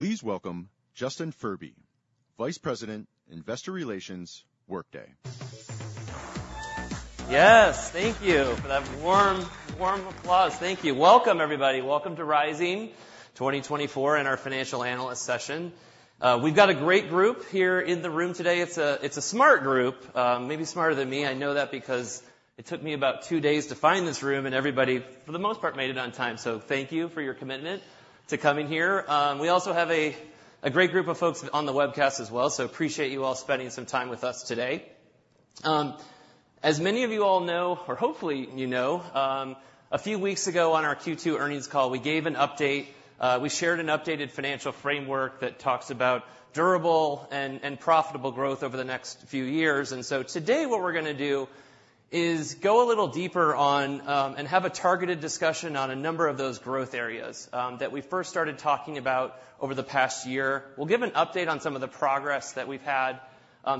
Please welcome Justin Furby, Vice President, Investor Relations, Workday. Yes, thank you for that warm, warm applause. Thank you. Welcome, everybody. Welcome to Rising 2024 and our financial analyst session. We've got a great group here in the room today. It's a smart group, maybe smarter than me. I know that because it took me about two days to find this room, and everybody, for the most part, made it on time. So thank you for your commitment to coming here. We also have a great group of folks on the webcast as well, so appreciate you all spending some time with us today. As many of you all know, or hopefully you know, a few weeks ago on our Q2 earnings call, we gave an update, we shared an updated financial framework that talks about durable and profitable growth over the next few years. And so today, what we're gonna do is go a little deeper on and have a targeted discussion on a number of those growth areas that we first started talking about over the past year. We'll give an update on some of the progress that we've had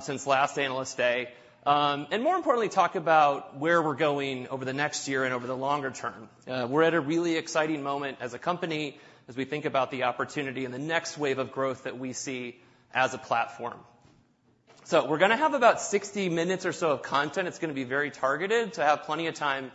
since last Analyst Day. And more importantly, talk about where we're going over the next year and over the longer term. We're at a really exciting moment as a company, as we think about the opportunity and the next wave of growth that we see as a platform. So we're gonna have about 60 minutes or so of content. It's gonna be very targeted, to have plenty of time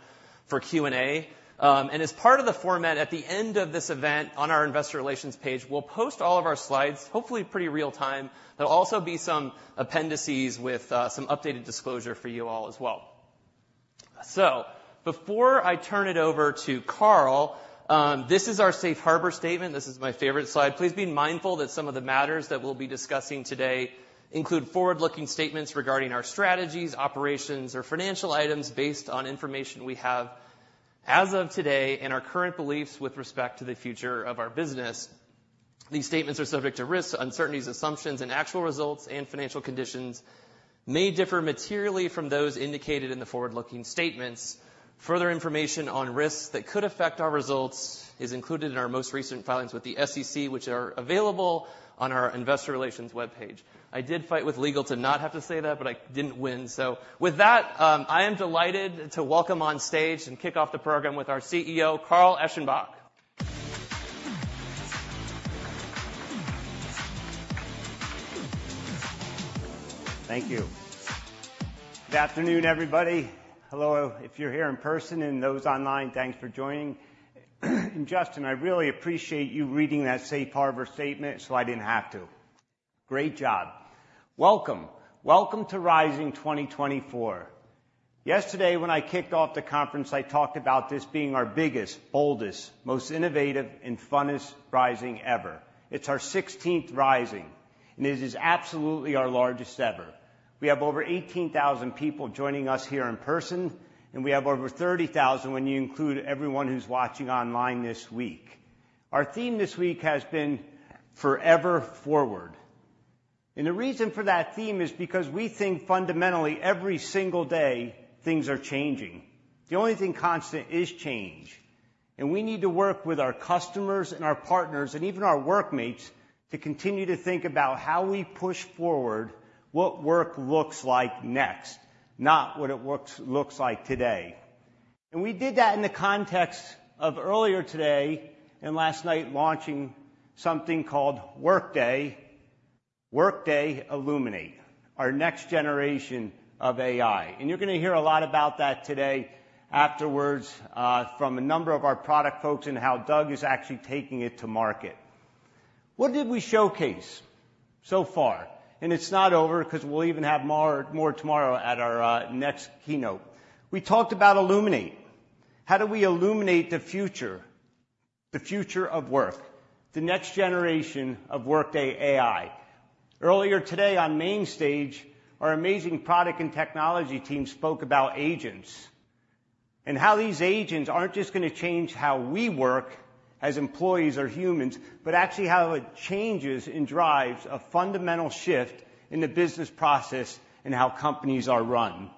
for Q&A. And as part of the format, at the end of this event, on our investor relations page, we'll post all of our slides, hopefully pretty real-time. There'll also be some appendices with some updated disclosure for you all as well. So before I turn it over to Carl, this is our safe harbor statement. This is my favorite slide. Please be mindful that some of the matters that we'll be discussing today include forward-looking statements regarding our strategies, operations, or financial items based on information we have as of today, and our current beliefs with respect to the future of our business. These statements are subject to risks, uncertainties, assumptions, and actual results, and financial conditions may differ materially from those indicated in the forward-looking statements. Further information on risks that could affect our results is included in our most recent filings with the SEC, which are available on our investor relations web page. I did fight with legal to not have to say that, but I didn't win. With that, I am delighted to welcome on stage and kick off the program with our CEO, Carl Eschenbach. Thank you. Good afternoon, everybody. Hello. If you're here in person and those online, thanks for joining. And Justin, I really appreciate you reading that safe harbor statement, so I didn't have to. Great job. Welcome. Welcome to Rising 2024. Yesterday, when I kicked off the conference, I talked about this being our biggest, boldest, most innovative and funnest Rising ever. It's our sixteenth Rising, and it is absolutely our largest ever. We have over 18,000 people joining us here in person, and we have over 30,000 when you include everyone who's watching online this week. Our theme this week has been Forever Forward, and the reason for that theme is because we think fundamentally, every single day, things are changing. The only thing constant is change, and we need to work with our customers and our partners, and even our workmates, to continue to think about how we push forward what work looks like next, not what work looks like today. And we did that in the context of earlier today and last night, launching something called Workday Illuminate, our next generation of AI. And you're gonna hear a lot about that today afterwards from a number of our product folks, and how Doug is actually taking it to market. What did we showcase so far? And it's not over, 'cause we'll even have more, more tomorrow at our next keynote. We talked about Illuminate. How do we illuminate the future, the future of work, the next generation of Workday AI? Earlier today, on main stage, our amazing product and technology team spoke about agents, and how these agents aren't just gonna change how we work as employees or humans, but actually how it changes and drives a fundamental shift in the business process and how companies are run.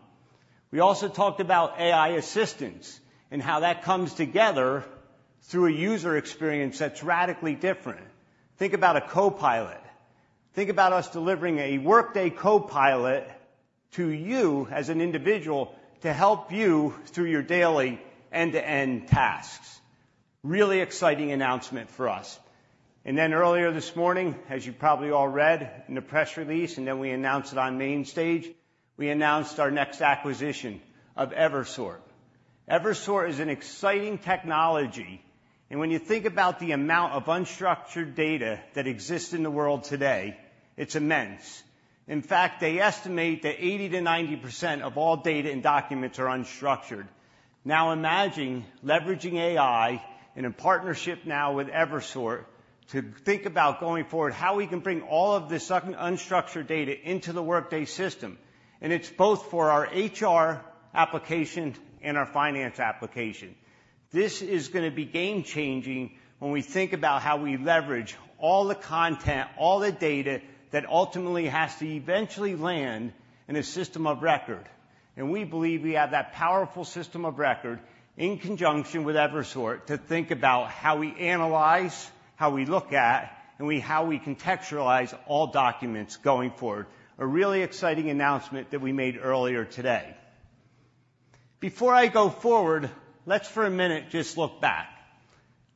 We also talked about AI assistants and how that comes together through a user experience that's radically different. Think about a copilot. Think about us delivering a Workday copilot to you as an individual to help you through your daily end-to-end tasks. Really exciting announcement for us. And then earlier this morning, as you probably all read in the press release, and then we announced it on main stage, we announced our next acquisition of Evisort. Evisort is an exciting technology, and when you think about the amount of unstructured data that exists in the world today, it's immense. In fact, they estimate that 80%-90% of all data and documents are unstructured. Now, imagine leveraging AI in a partnership now with Evisort to think about going forward, how we can bring all of this unstructured data into the Workday system, and it's both for our HR application and our finance application. This is gonna be game-changing when we think about how we leverage all the content, all the data that ultimately has to eventually land in a system of record. And we believe we have that powerful system of record, in conjunction with Evisort, to think about how we analyze, how we look at, and how we contextualize all documents going forward. A really exciting announcement that we made earlier today. Before I go forward, let's for a minute just look back.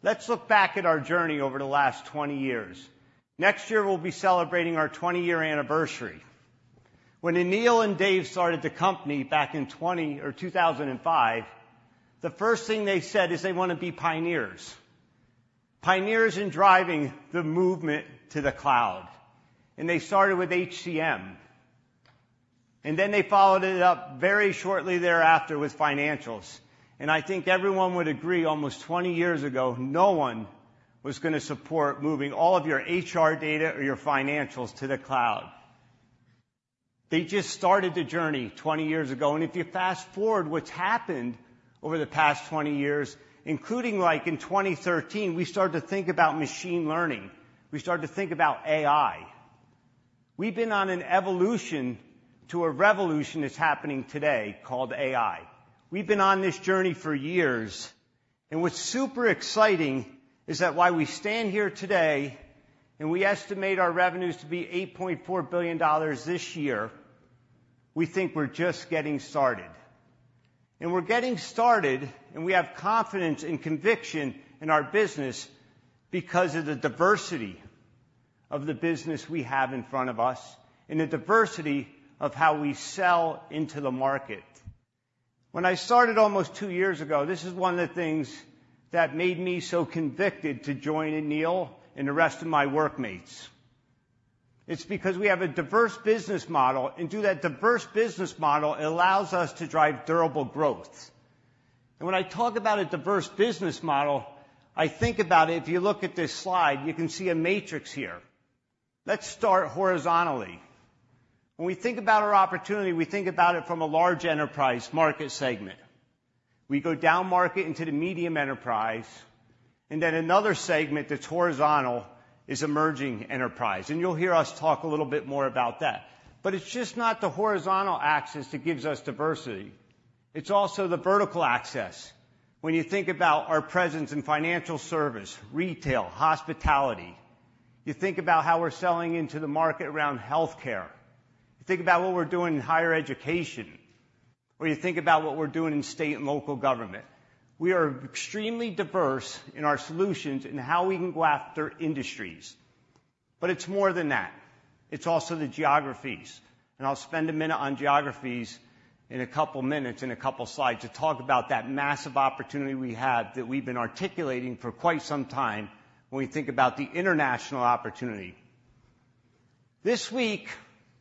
Let's look back at our journey over the last 20 years. Next year, we'll be celebrating our 20-year anniversary. When Aneel and Dave started the company back in two thousand and five, the first thing they said is they want to be pioneers, pioneers in driving the movement to the cloud. And they started with HCM, and then they followed it up very shortly thereafter with financials. And I think everyone would agree, almost 20 years ago, no one was gonna support moving all of your HR data or your financials to the cloud. They just started the journey 20 years ago, and if you fast-forward what's happened over the past 20 years, including, like, in 2913, we started to think about machine learning, we started to think about AI. We've been on an evolution to a revolution that's happening today called AI. We've been on this journey for years, and what's super exciting is that while we stand here today and we estimate our revenues to be $8.4 billion this year, we think we're just getting started. And we're getting started, and we have confidence and conviction in our business because of the diversity of the business we have in front of us and the diversity of how we sell into the market. When I started almost two years ago, this is one of the things that made me so convicted to join Aneel and the rest of my workmates. It's because we have a diverse business model, and through that diverse business model, it allows us to drive durable growth. And when I talk about a diverse business model, I think about it. If you look at this slide, you can see a matrix here. Let's start horizontally. When we think about our opportunity, we think about it from a large enterprise market segment. We go downmarket into the medium enterprise, and then another segment that's horizontal is emerging enterprise, and you'll hear us talk a little bit more about that. But it's just not the horizontal axis that gives us diversity. It's also the vertical axis. When you think about our presence in financial service, retail, hospitality, you think about how we're selling into the market around healthcare. You think about what we're doing in higher education, or you think about what we're doing in state and local government. We are extremely diverse in our solutions in how we can go after industries. But it's more than that. It's also the geographies, and I'll spend a minute on geographies in a couple minutes, in a couple slides, to talk about that massive opportunity we have that we've been articulating for quite some time when we think about the international opportunity. This week,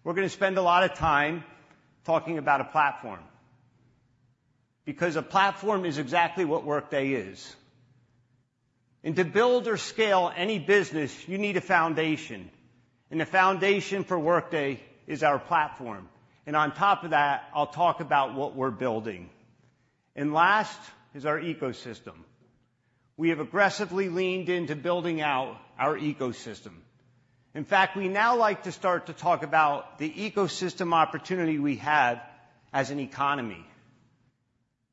we're gonna spend a lot of time talking about a platform, because a platform is exactly what Workday is. And to build or scale any business, you need a foundation, and the foundation for Workday is our platform. And on top of that, I'll talk about what we're building. And last is our ecosystem. We have aggressively leaned into building out our ecosystem. In fact, we now like to start to talk about the ecosystem opportunity we have as an economy.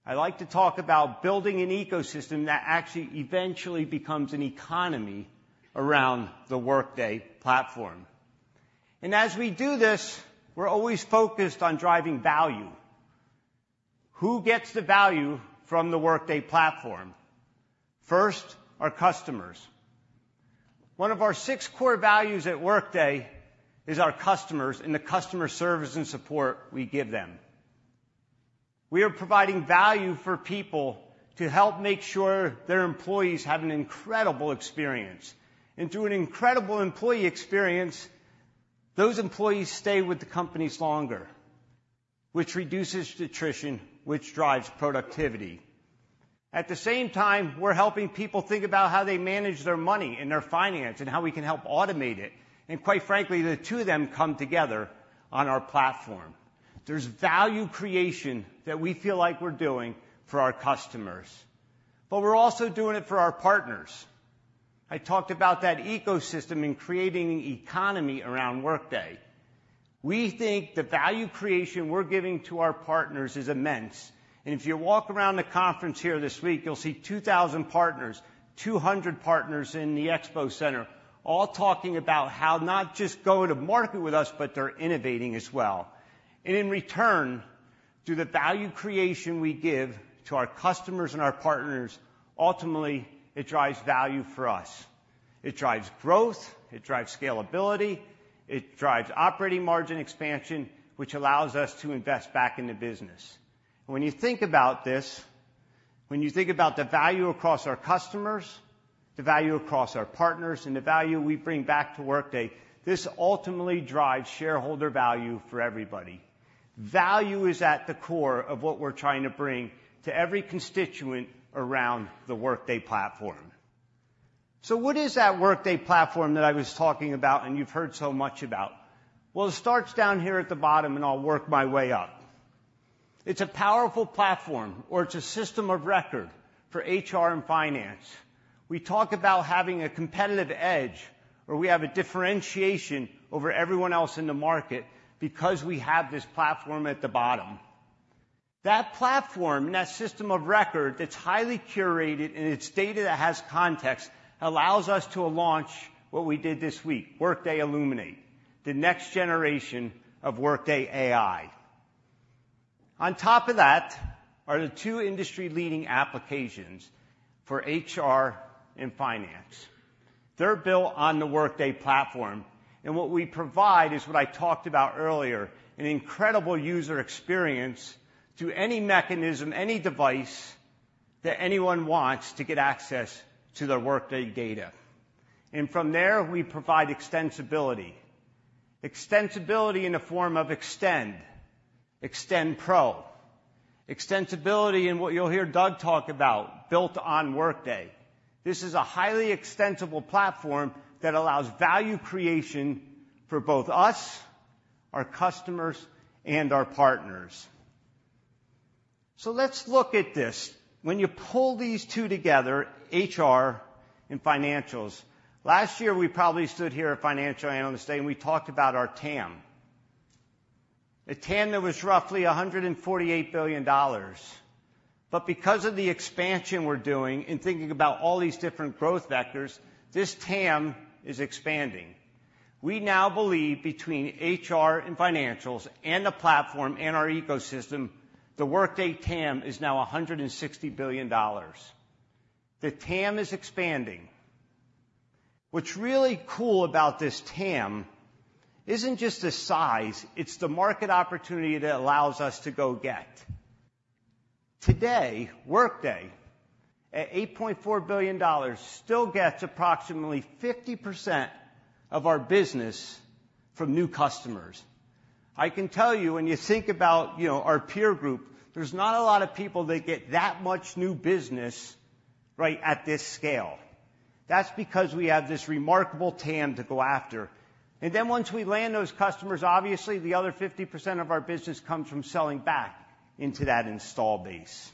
I like to talk about building an ecosystem that actually eventually becomes an economy around the Workday platform. As we do this, we're always focused on driving value. Who gets the value from the Workday platform? First, our customers. One of our six core values at Workday is our customers and the customer service and support we give them. We are providing value for people to help make sure their employees have an incredible experience. And through an incredible employee experience, those employees stay with the companies longer, which reduces attrition, which drives productivity. At the same time, we're helping people think about how they manage their money and their finance and how we can help automate it. And quite frankly, the two of them come together on our platform. There's value creation that we feel like we're doing for our customers, but we're also doing it for our partners. I talked about that ecosystem and creating an economy around Workday. We think the value creation we're giving to our partners is immense, and if you walk around the conference here this week, you'll see two thousand partners, two hundred partners in the Expo Center, all talking about how not just go to market with us, but they're innovating as well. And in return, through the value creation we give to our customers and our partners, ultimately it drives value for us. It drives growth, it drives scalability, it drives operating margin expansion, which allows us to invest back in the business. And when you think about this, when you think about the value across our customers, the value across our partners, and the value we bring back to Workday, this ultimately drives shareholder value for everybody. Value is at the core of what we're trying to bring to every constituent around the Workday platform. So what is that Workday platform that I was talking about and you've heard so much about? It starts down here at the bottom, and I'll work my way up. It's a powerful platform, or it's a system of record for HR and finance. We talk about having a competitive edge, or we have a differentiation over everyone else in the market because we have this platform at the bottom. That platform and that system of record that's highly curated and it's data that has context, allows us to launch what we did this week, Workday Illuminate, the next generation of Workday AI. On top of that are the two industry-leading applications for HR and finance. They're built on the Workday platform, and what we provide is what I talked about earlier, an incredible user experience through any mechanism, any device, that anyone wants to get access to their Workday data, and from there, we provide extensibility. Extensibility in the form of Extend, Extend Pro, extensibility in what you'll hear Doug talk about, Built on Workday. This is a highly extensible platform that allows value creation for both us, our customers, and our partners, so let's look at this. When you pull these two together, HR and financials, last year, we probably stood here at Financial Analyst Day, and we talked about our TAM. A TAM that was roughly $148 billion, but because of the expansion we're doing in thinking about all these different growth vectors, this TAM is expanding. We now believe between HR and financials and the platform and our ecosystem, the Workday TAM is now $160 billion. The TAM is expanding. What's really cool about this TAM isn't just the size, it's the market opportunity that allows us to go get. Today, Workday, at $8.4 billion, still gets approximately 50% of our business from new customers. I can tell you, when you think about, you know, our peer group, there's not a lot of people that get that much new business right at this scale. That's because we have this remarkable TAM to go after. And then once we land those customers, obviously, the other 50% of our business comes from selling back into that install base.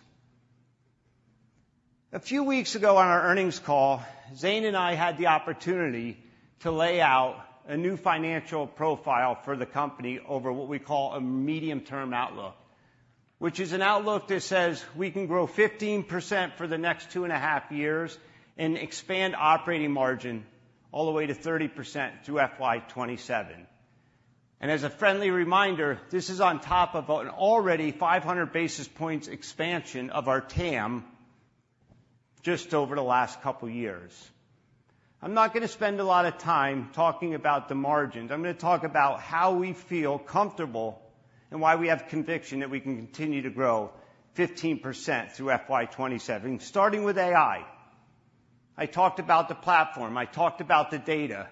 A few weeks ago, on our earnings call, Zane and I had the opportunity to lay out a new financial profile for the company over what we call a medium-term outlook, which is an outlook that says we can grow 15% for the next two and a half years and expand operating margin all the way to 30% through FY 2027, and as a friendly reminder, this is on top of an already 500 basis points expansion of our TAM just over the last couple of years. I'm not gonna spend a lot of time talking about the margins. I'm gonna talk about how we feel comfortable and why we have conviction that we can continue to grow 15% through FY 2027, starting with AI. I talked about the platform. I talked about the data,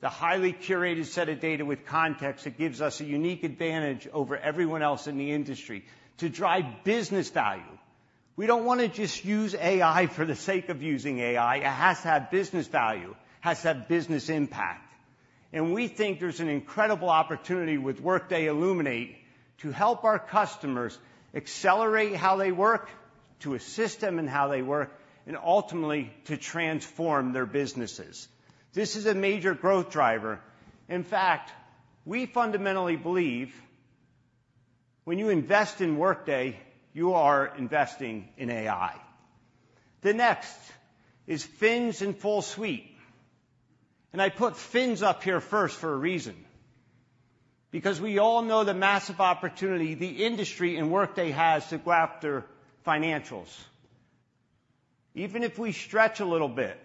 the highly curated set of data with context that gives us a unique advantage over everyone else in the industry to drive business value. We don't wanna just use AI for the sake of using AI. It has to have business value, has to have business impact, and we think there's an incredible opportunity with Workday Illuminate to help our customers accelerate how they work, to assist them in how they work, and ultimately, to transform their businesses. This is a major growth driver. In fact, we fundamentally believe when you invest in Workday, you are investing in AI. The next is Fins and full suite, and I put Fins up here first for a reason, because we all know the massive opportunity the industry and Workday has to go after financials. Even if we stretch a little bit,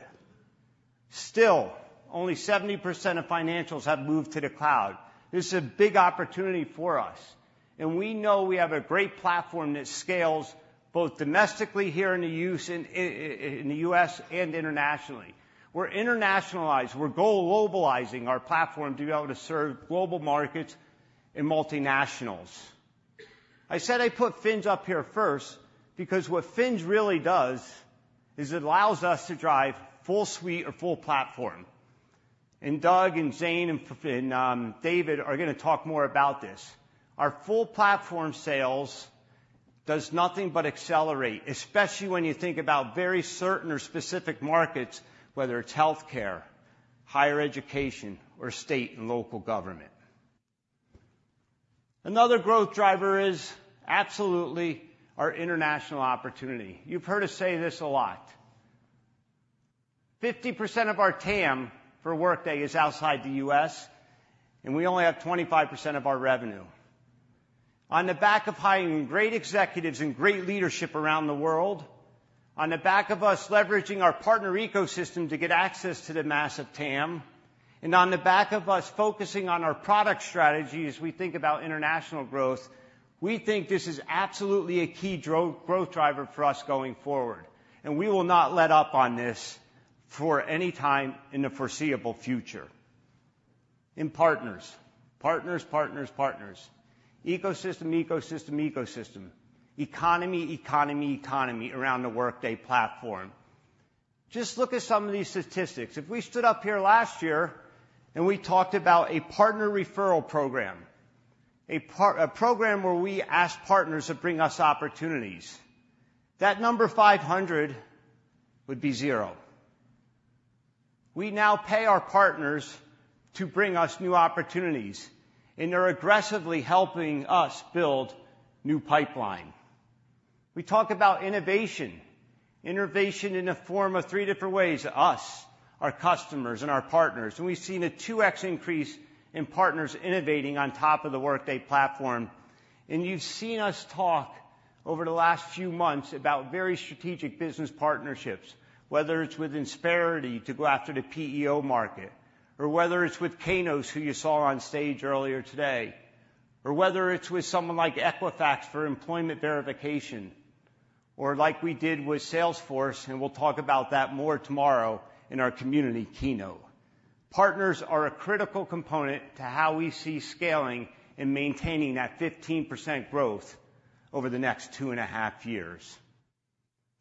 still, only 70% of financials have moved to the cloud. This is a big opportunity for us, and we know we have a great platform that scales both domestically here in the U.S., in the U.S. and internationally. We're internationalized. We're go-globalizing our platform to be able to serve global markets and multinationals. I said I'd put Fins up here first because what Fins really does is it allows us to drive full suite or full platform, and Doug and Zane and David are gonna talk more about this. Our full platform sales does nothing but accelerate, especially when you think about very certain or specific markets, whether it's healthcare, higher education, or state and local government. Another growth driver is absolutely our international opportunity. You've heard us say this a lot. 50% of our TAM for Workday is outside the U.S., and we only have 25% of our revenue. On the back of hiring great executives and great leadership around the world, on the back of us leveraging our partner ecosystem to get access to the massive TAM, and on the back of us focusing on our product strategy as we think about international growth, we think this is absolutely a key growth driver for us going forward, and we will not let up on this for any time in the foreseeable future. In partners, partners, partners, partners. Ecosystem, ecosystem, ecosystem. Ecosystem, ecosystem, ecosystem around the Workday platform. Just look at some of these statistics. If we stood up here last year and we talked about a partner referral program, a program where we ask partners to bring us opportunities, that number 500 would be zero. We now pay our partners to bring us new opportunities, and they're aggressively helping us build new pipeline. We talk about innovation. Innovation in the form of three different ways: us, our customers, and our partners. And we've seen a 2x increase in partners innovating on top of the Workday platform. And you've seen us talk over the last few months about very strategic business partnerships, whether it's with Insperity to go after the PEO market, or whether it's with Kainos, who you saw on stage earlier today, or whether it's with someone like Equifax for employment verification, or like we did with Salesforce, and we'll talk about that more tomorrow in our community keynote. Partners are a critical component to how we see scaling and maintaining that 15% growth over the next 2.5 years.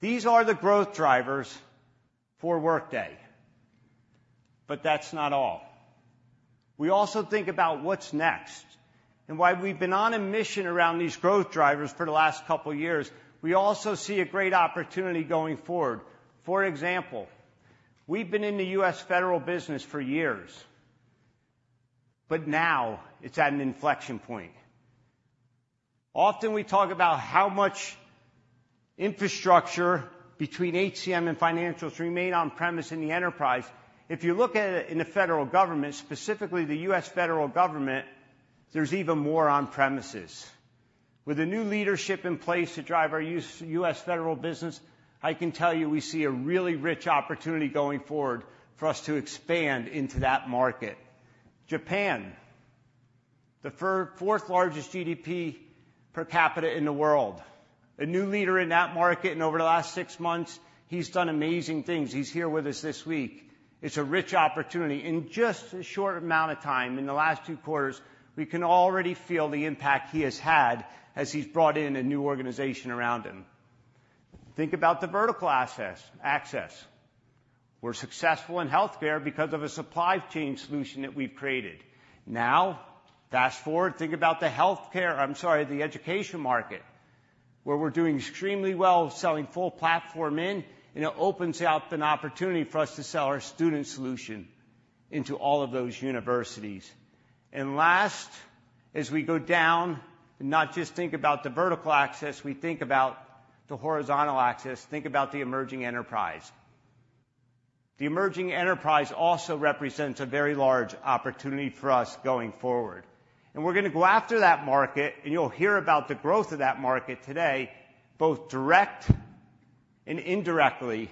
These are the growth drivers for Workday, but that's not all. We also think about what's next and why we've been on a mission around these growth drivers for the last couple of years. We also see a great opportunity going forward. For example, we've been in the U.S. federal business for years, but now it's at an inflection point. Often we talk about how much infrastructure between HCM and financials remain on-premises in the enterprise. If you look at it in the federal government, specifically the U.S. federal government, there's even more on-premises. With the new leadership in place to drive our U.S. federal business, I can tell you we see a really rich opportunity going forward for us to expand into that market. Japan, the fourth largest GDP per capita in the world. A new leader in that market, and over the last six months, he's done amazing things. He's here with us this week. It's a rich opportunity. In just a short amount of time, in the last two quarters, we can already feel the impact he has had as he's brought in a new organization around him. Think about the vertical access. We're successful in healthcare because of a supply chain solution that we've created. Now, fast-forward. Think about the healthcare... I'm sorry, the education market, where we're doing extremely well, selling full platform in, and it opens up an opportunity for us to sell our student solution into all of those universities. Last, as we go down, not just think about the vertical axis, we think about the horizontal axis, think about the emerging enterprise. The emerging enterprise also represents a very large opportunity for us going forward, and we're going to go after that market, and you'll hear about the growth of that market today, both direct and indirectly,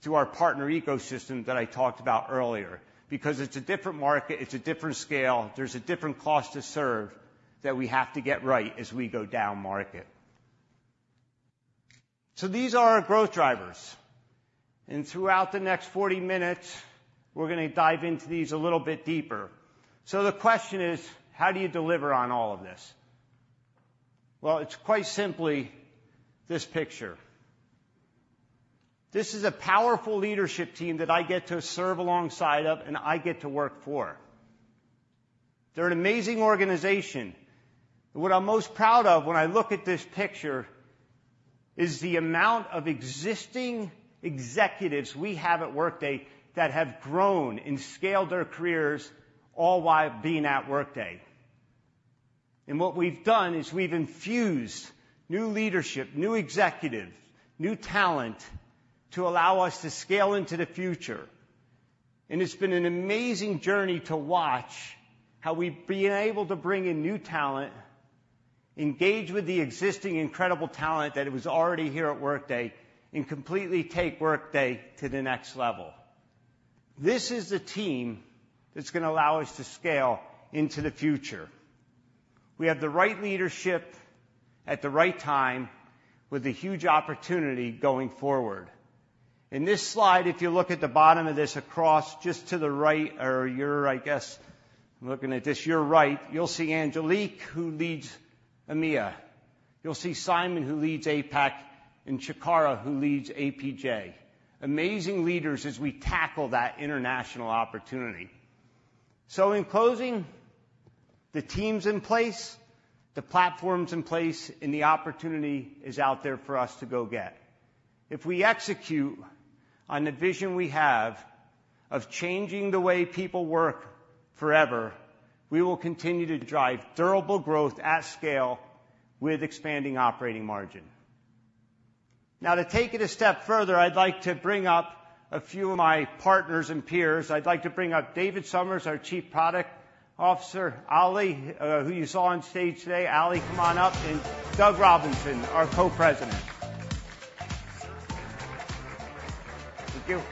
through our partner ecosystem that I talked about earlier. Because it's a different market, it's a different scale, there's a different cost to serve that we have to get right as we go down market. So these are our growth drivers, and throughout the next 40 minutes, we're going to dive into these a little bit deeper. So the question is: how do you deliver on all of this? Well, it's quite simply this picture. This is a powerful leadership team that I get to serve alongside of and I get to work for. They're an amazing organization. What I'm most proud of when I look at this picture is the amount of existing executives we have at Workday that have grown and scaled their careers, all while being at Workday. And what we've done is we've infused new leadership, new executives, new talent to allow us to scale into the future. And it's been an amazing journey to watch how we've been able to bring in new talent, engage with the existing incredible talent that was already here at Workday, and completely take Workday to the next level. This is the team that's going to allow us to scale into the future. We have the right leadership at the right time, with a huge opportunity going forward. In this slide, if you look at the bottom of this, across just to the right or your, I guess I'm looking at this, your right, you'll see Angelique, who leads EMEA. You'll see Simon, who leads APAC, and Chikara, who leads APJ. Amazing leaders as we tackle that international opportunity. So in closing, the team's in place, the platform's in place, and the opportunity is out there for us to go get. If we execute on the vision we have of changing the way people work forever, we will continue to drive durable growth at scale with expanding operating margin. Now, to take it a step further, I'd like to bring up a few of my partners and peers. I'd like to bring up David Somers, our Chief Product Officer. Ali, who you saw on stage today. Ali, come on up, and Doug Robinson, our Co-President. Thank you.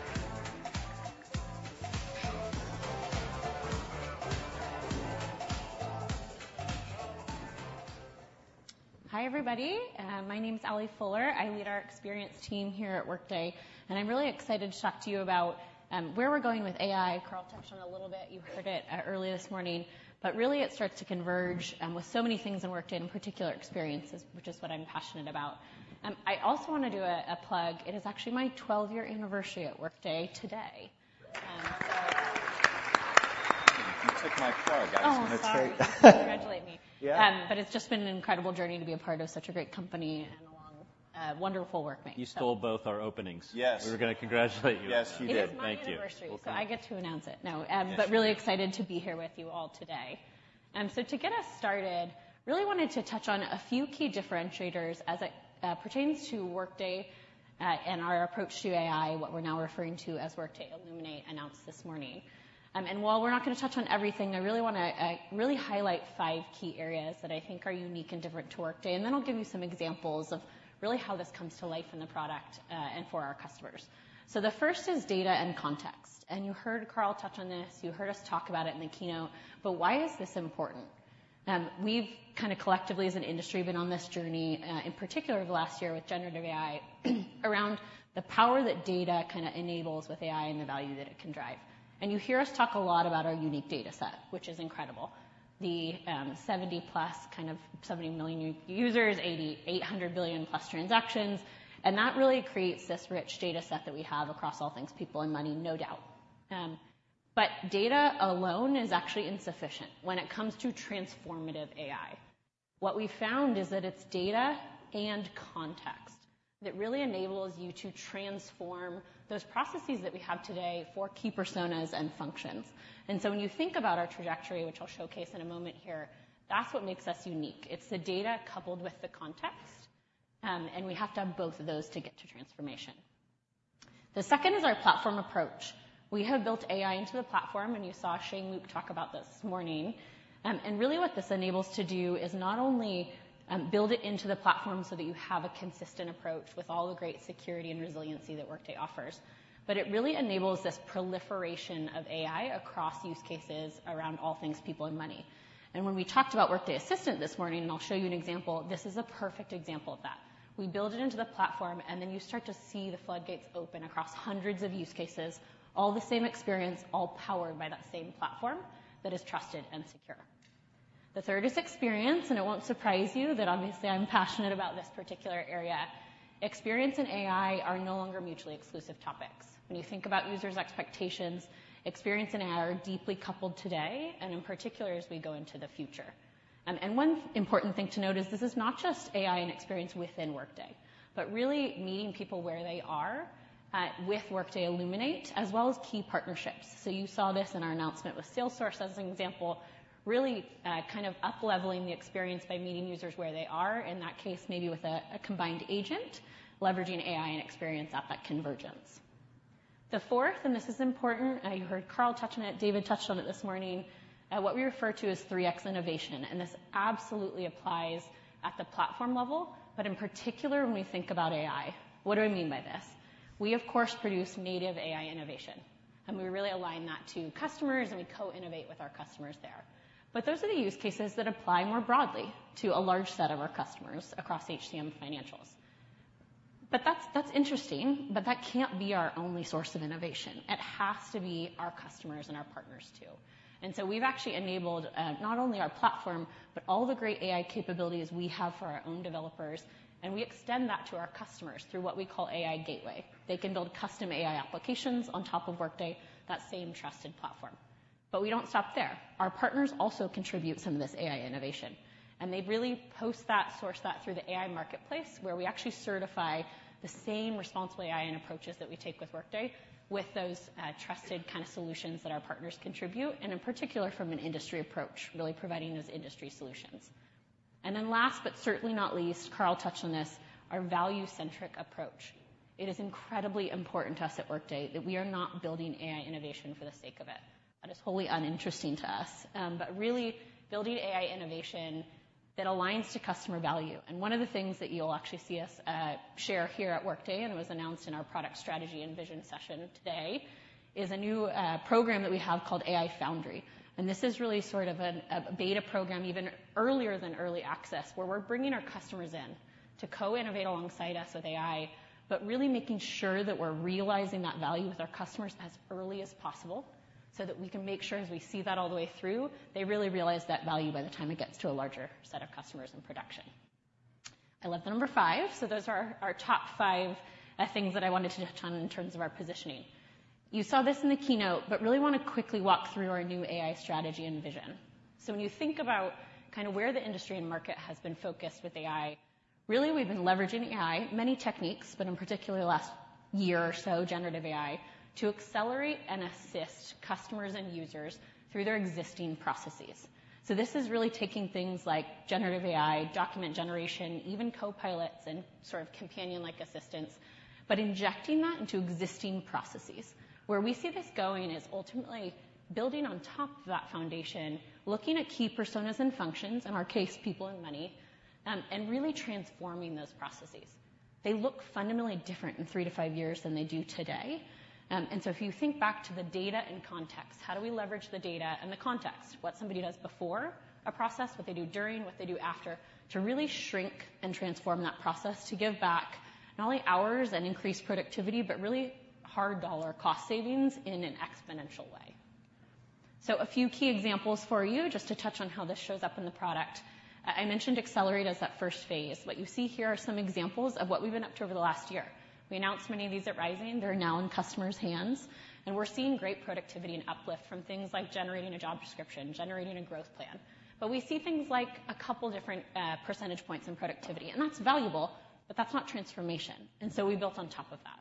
Hi, everybody. My name is Ali Fuller. I lead our experience team here at Workday, and I'm really excited to talk to you about where we're going with AI. Carl touched on it a little bit. You heard it earlier this morning, but really it starts to converge with so many things in Workday, in particular, experiences, which is what I'm passionate about. I also want to do a plug. It is actually my twelve-year anniversary at Workday today. You took my plug. Oh, sorry. Congratulate me. Yeah. But it's just been an incredible journey to be a part of such a great company and along with wonderful workmates. You stole both our openings. Yes. We were going to congratulate you. Yes, you did. It is my anniversary- Thank you. So I get to announce it. No, but really excited to be here with you all today. Really wanted to touch on a few key differentiators as it pertains to Workday and our approach to AI, what we're now referring to as Workday Illuminate, announced this morning, and while we're not going to touch on everything, I really wanna really highlight five key areas that I think are unique and different to Workday, and then I'll give you some examples of really how this comes to life in the product and for our customers, so the first is data and context, and you heard Carl touch on this, you heard us talk about it in the keynote, but why is this important? We've kinda collectively, as an industry, been on this journey, in particular the last year with generative AI, around the power that data kinda enables with AI and the value that it can drive. And you hear us talk a lot about our unique data set, which is incredible. Seventy plus, kind of 70 million users, 8,800 billion transactions, and that really creates this rich data set that we have across all things, people and money, no doubt. But data alone is actually insufficient when it comes to transformative AI. What we found is that it's data and context that really enables you to transform those processes that we have today for key personas and functions. And so when you think about our trajectory, which I'll showcase in a moment here, that's what makes us unique. It's the data coupled with the context, and we have to have both of those to get to transformation. The second is our platform approach. We have built AI into the platform, and you saw Shane Luke talk about this this morning, and really what this enables to do is not only build it into the platform so that you have a consistent approach with all the great security and resiliency that Workday offers, but it really enables this proliferation of AI across use cases around all things, people, and money, and when we talked about Workday Assistant this morning, and I'll show you an example, this is a perfect example of that. We build it into the platform, and then you start to see the floodgates open across hundreds of use cases, all the same experience, all powered by that same platform that is trusted and secure. The third is experience, and it won't surprise you that obviously I'm passionate about this particular area. Experience and AI are no longer mutually exclusive topics. When you think about users' expectations, experience and AI are deeply coupled today and in particular, as we go into the future. And one important thing to note is this is not just AI and experience within Workday, but really meeting people where they are, with Workday Illuminate, as well as key partnerships. So you saw this in our announcement with Salesforce, as an example. Really, kind of upleveling the experience by meeting users where they are, in that case, maybe with a combined agent, leveraging AI and experience at that convergence. The fourth, and this is important, and you heard Carl touch on it, David touched on it this morning, what we refer to as 3x innovation, and this absolutely applies at the platform level, but in particular, when we think about AI. What do I mean by this? We, of course, produce native AI innovation, and we really align that to customers, and we co-innovate with our customers there. But those are the use cases that apply more broadly to a large set of our customers across HCM financials. But that's interesting, but that can't be our only source of innovation. It has to be our customers and our partners, too. And so we've actually enabled, not only our platform, but all the great AI capabilities we have for our own developers, and we extend that to our customers through what we call AI Gateway. They can build custom AI applications on top of Workday, that same trusted platform. But we don't stop there. Our partners also contribute some of this AI innovation, and they really post that, source that through the AI Marketplace, where we actually certify the same responsible AI and approaches that we take with Workday, with those, trusted kinda solutions that our partners contribute, and in particular, from an industry approach, really providing those industry solutions. And then last, but certainly not least, Carl touched on this, our value-centric approach. It is incredibly important to us at Workday that we are not building AI innovation for the sake of it. That is wholly uninteresting to us, but really building AI innovation that aligns to customer value. And one of the things that you'll actually see us share here at Workday, and it was announced in our product strategy and vision session today, is a new program that we have called Workday Foundry. And this is really sort of a beta program, even earlier than early access, where we're bringing our customers in to co-innovate alongside us with AI, but really making sure that we're realizing that value with our customers as early as possible, so that we can make sure as we see that all the way through, they really realize that value by the time it gets to a larger set of customers in production. I love the number five, so those are our top five things that I wanted to touch on in terms of our positioning. You saw this in the keynote, but really wanna quickly walk through our new AI strategy and vision. So when you think about kinda where the industry and market has been focused with AI, really, we've been leveraging AI, many techniques, but in particular, the last year or so, generative AI, to accelerate and assist customers and users through their existing processes. So this is really taking things like generative AI, document generation, even copilots, and sort of companion-like assistants, but injecting that into existing processes. Where we see this going is ultimately building on top of that foundation, looking at key personas and functions, in our case, people and money, and really transforming those processes. They look fundamentally different in three to five years than they do today, and so if you think back to the data and context, how do we leverage the data and the context? What somebody does before a process, what they do during, what they do after, to really shrink and transform that process to give back not only hours and increased productivity, but really hard dollar cost savings in an exponential way, so a few key examples for you, just to touch on how this shows up in the product. I mentioned Accelerate as that first phase. What you see here are some examples of what we've been up to over the last year. We announced many of these at Rising. They're now in customers' hands, and we're seeing great productivity and uplift from things like generating a job description, generating a growth plan. But we see things like a couple different percentage points in productivity, and that's valuable, but that's not transformation. And so we built on top of that....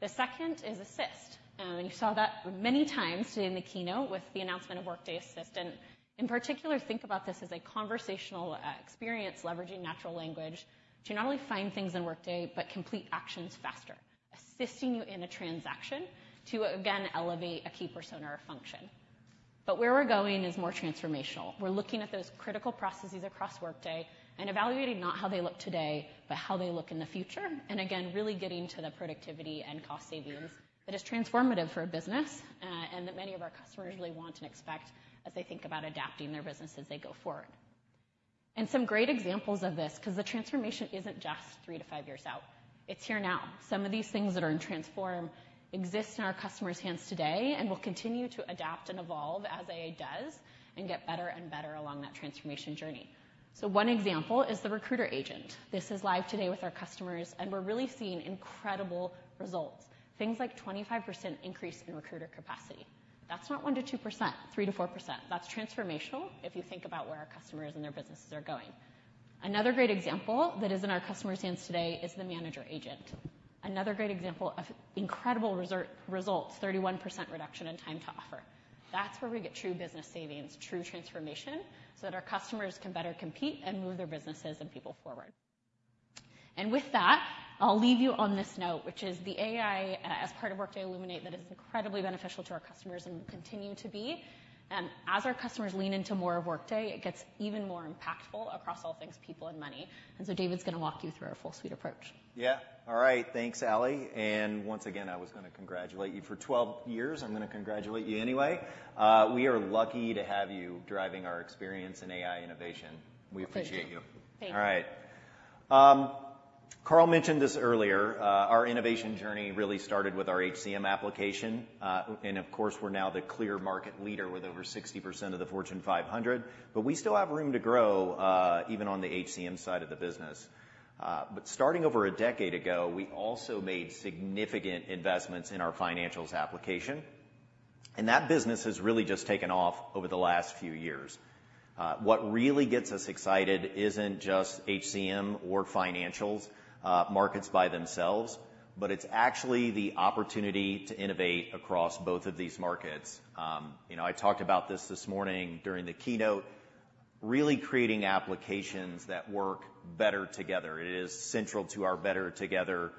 The second is assist. And you saw that many times today in the keynote with the announcement of Workday Assistant. In particular, think about this as a conversational experience, leveraging natural language to not only find things in Workday, but complete actions faster, assisting you in a transaction to, again, elevate a key persona or function. But where we're going is more transformational. We're looking at those critical processes across Workday and evaluating not how they look today, but how they look in the future, and again, really getting to the productivity and cost savings that is transformative for a business, and that many of our customers really want and expect as they think about adapting their business as they go forward, and some great examples of this, 'cause the transformation isn't just three to five years out, it's here now. Some of these things that are in Transform exist in our customers' hands today and will continue to adapt and evolve as AI does, and get better and better along that transformation journey, so one example is the Recruiter Agent. This is live today with our customers, and we're really seeing incredible results. Things like 25% increase in recruiter capacity. That's not 1%-2%, 3%-4%. That's transformational if you think about where our customers and their businesses are going. Another great example that is in our customers' hands today is the Manager Agent. Another great example of incredible results, 31% reduction in time to offer. That's where we get true business savings, true transformation, so that our customers can better compete and move their businesses and people forward. And with that, I'll leave you on this note, which is the AI as part of Workday Illuminate, that is incredibly beneficial to our customers and will continue to be. As our customers lean into more of Workday, it gets even more impactful across all things, people, and money. And so David's gonna walk you through our full suite approach. Yeah. All right. Thanks, Ali. And once again, I was gonna congratulate you for twelve years. I'm gonna congratulate you anyway. We are lucky to have you driving our experience in AI innovation. Thank you. We appreciate you. Thank you. All right. Carl mentioned this earlier, our innovation journey really started with our HCM application, and of course, we're now the clear market leader with over 60% of the Fortune 500, but we still have room to grow, even on the HCM side of the business. But starting over a decade ago, we also made significant investments in our financials application, and that business has really just taken off over the last few years. What really gets us excited isn't just HCM or financials, markets by themselves, but it's actually the opportunity to innovate across both of these markets. You know, I talked about this this morning during the keynote, really creating applications that work better together. It is central to our Better Together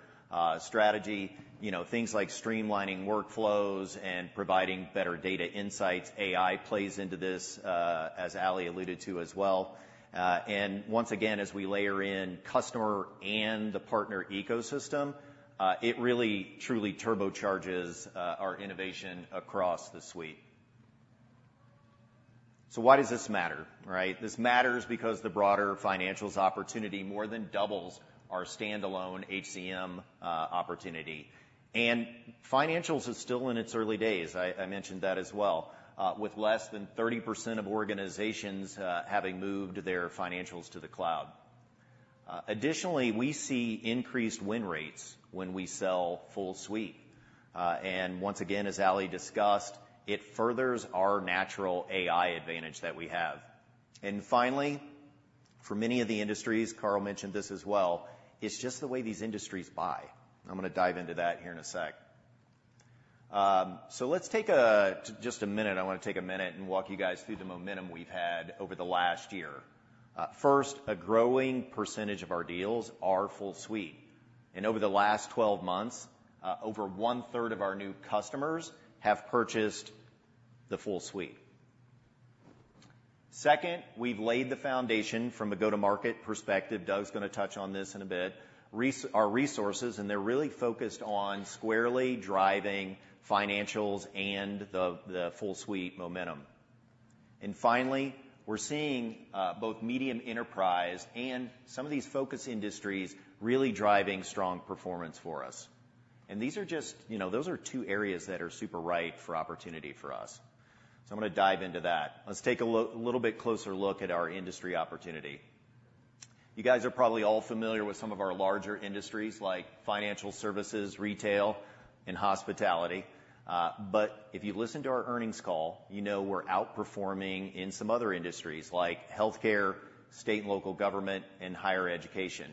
strategy. You know, things like streamlining workflows and providing better data insights. AI plays into this, as Ali alluded to as well. And once again, as we layer in customer and the partner ecosystem, it really, truly turbocharges our innovation across the suite. So why does this matter, right? This matters because the broader financials opportunity more than doubles our standalone HCM opportunity. And financials is still in its early days. I mentioned that as well, with less than 30% of organizations having moved their financials to the cloud. Additionally, we see increased win rates when we sell full suite. And once again, as Ali discussed, it furthers our natural AI advantage that we have. And finally, for many of the industries, Carl mentioned this as well. It's just the way these industries buy. I'm gonna dive into that here in a sec. So let's take just a minute. I wanna take a minute and walk you guys through the momentum we've had over the last year. First, a growing percentage of our deals are full suite, and over the last 12 months, over one-third of our new customers have purchased the full suite. Second, we've laid the foundation from a go-to-market perspective. Doug's gonna touch on this in a bit. Resources, our resources, and they're really focused on squarely driving financials and the, the full suite momentum. And finally, we're seeing both medium enterprise and some of these focus industries really driving strong performance for us. And these are just... You know, those are two areas that are super right for opportunity for us. So I'm gonna dive into that. Let's take a little bit closer look at our industry opportunity. You guys are probably all familiar with some of our larger industries, like financial services, retail, and hospitality. But if you listen to our earnings call, you know we're outperforming in some other industries, like healthcare, state and local government, and higher education.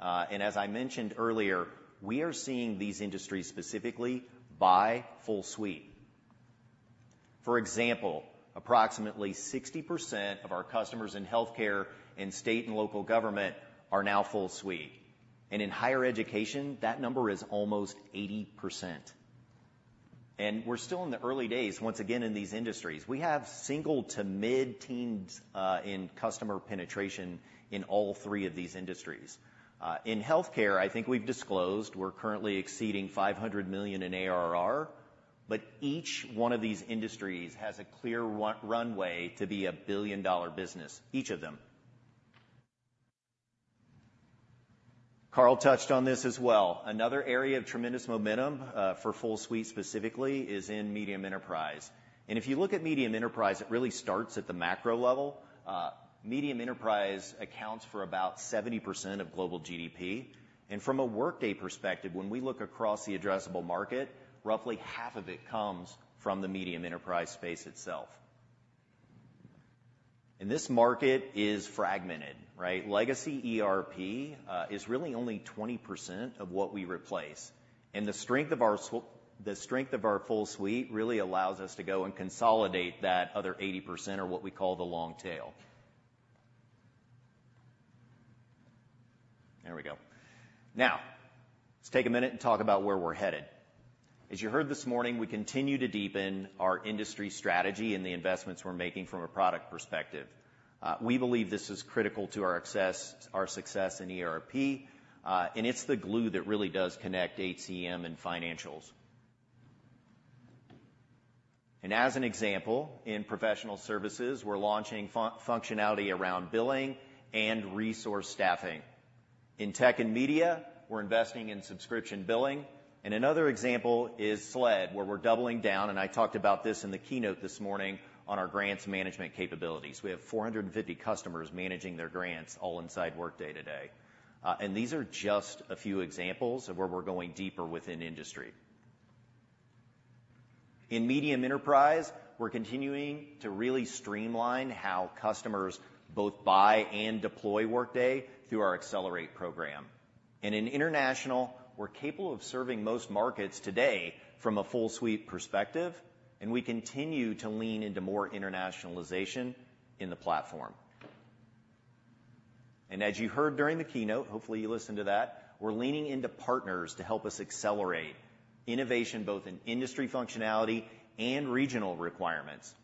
And as I mentioned earlier, we are seeing these industries specifically buy full suite. For example, approximately 60% of our customers in healthcare and state and local government are now full suite, and in higher education, that number is almost 80%. And we're still in the early days, once again, in these industries. We have single to mid-teens in customer penetration in all three of these industries. In healthcare, I think we've disclosed we're currently exceeding $500 million HC ARR, but each one of these industries has a clear runway to be a billion-dollar business. Each of them. Carl touched on this as well. Another area of tremendous momentum for full suite specifically is in medium enterprise. And if you look at medium enterprise, it really starts at the macro level. Medium enterprise accounts for about 70% of global GDP, and from a Workday perspective, when we look across the addressable market, roughly half of it comes from the medium enterprise space itself. This market is fragmented, right? Legacy ERP is really only 20% of what we replace, and the strength of our full suite really allows us to go and consolidate that other 80%, or what we call the long tail. There we go. Now, let's take a minute and talk about where we're headed. As you heard this morning, we continue to deepen our industry strategy and the investments we're making from a product perspective. We believe this is critical to our access, our success in ERP, and it's the glue that really does connect HCM and financials. And as an example, in professional services, we're launching functionality around billing and resource staffing. In tech and media, we're investing in subscription billing, and another example is SLED, where we're doubling down, and I talked about this in the keynote this morning, on our grants management capabilities. We have 450 customers managing their grants all inside Workday today. And these are just a few examples of where we're going deeper within industry. In medium enterprise, we're continuing to really streamline how customers both buy and deploy Workday through our Accelerate program. And in international, we're capable of serving most markets today from a full suite perspective, and we continue to lean into more internationalization in the platform. As you heard during the keynote, hopefully you listened to that, we're leaning into partners to help us accelerate innovation, both in industry functionality and regional requirements.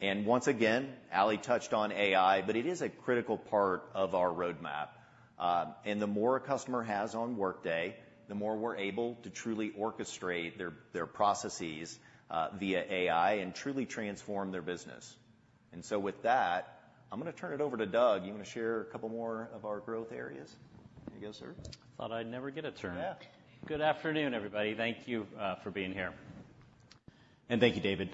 And once again, Ali touched on AI, but it is a critical part of our roadmap. And the more a customer has on Workday, the more we're able to truly orchestrate their processes via AI, and truly transform their business. And so with that, I'm gonna turn it over to Doug. You want to share a couple more of our growth areas? There you go, sir. I thought I'd never get a turn. Yeah. Good afternoon, everybody. Thank you for being here, and thank you, David.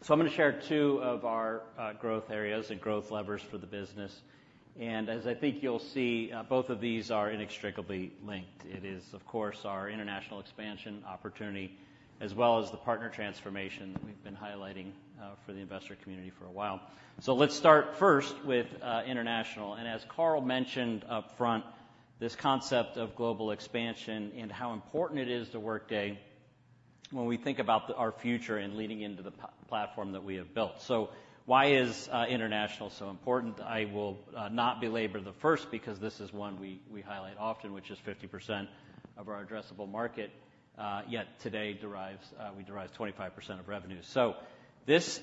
So I'm gonna share two of our growth areas and growth levers for the business. And as I think you'll see, both of these are inextricably linked. It is, of course, our international expansion opportunity, as well as the partner transformation that we've been highlighting for the investor community for a while. So let's start first with international. And as Carl mentioned up front, this concept of global expansion and how important it is to Workday when we think about our future and leading into the platform that we have built. So why is international so important? I will not belabor the first, because this is one we highlight often, which is 50% of our addressable market, yet today we derive 25% of revenue. So this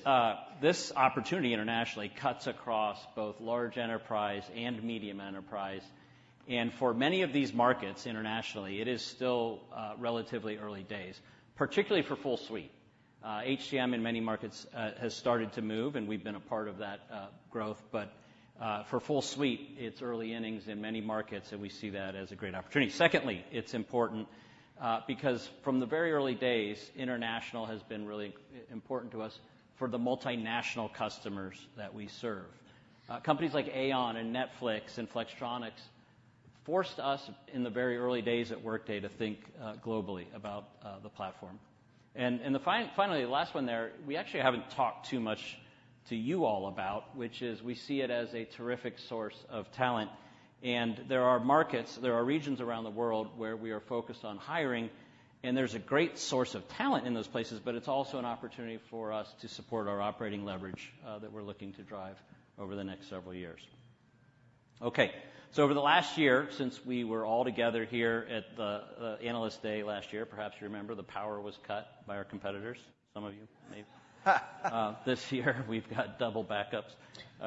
opportunity internationally cuts across both large enterprise and medium enterprise, and for many of these markets internationally, it is still relatively early days, particularly for full suite. HCM in many markets has started to move, and we've been a part of that growth, but for full suite, it's early innings in many markets, and we see that as a great opportunity. Secondly, it's important, because from the very early days, international has been really important to us for the multinational customers that we serve. Companies like Aon and Netflix and Flextronics forced us, in the very early days at Workday, to think globally about the platform. And finally, the last one there, we actually haven't talked too much to you all about, which is we see it as a terrific source of talent. And there are markets, there are regions around the world where we are focused on hiring, and there's a great source of talent in those places, but it's also an opportunity for us to support our operating leverage that we're looking to drive over the next several years. Okay, so over the last year, since we were all together here at the Analyst Day last year, perhaps you remember, the power was cut by our competitors. Some of you, maybe. This year, we've got double backups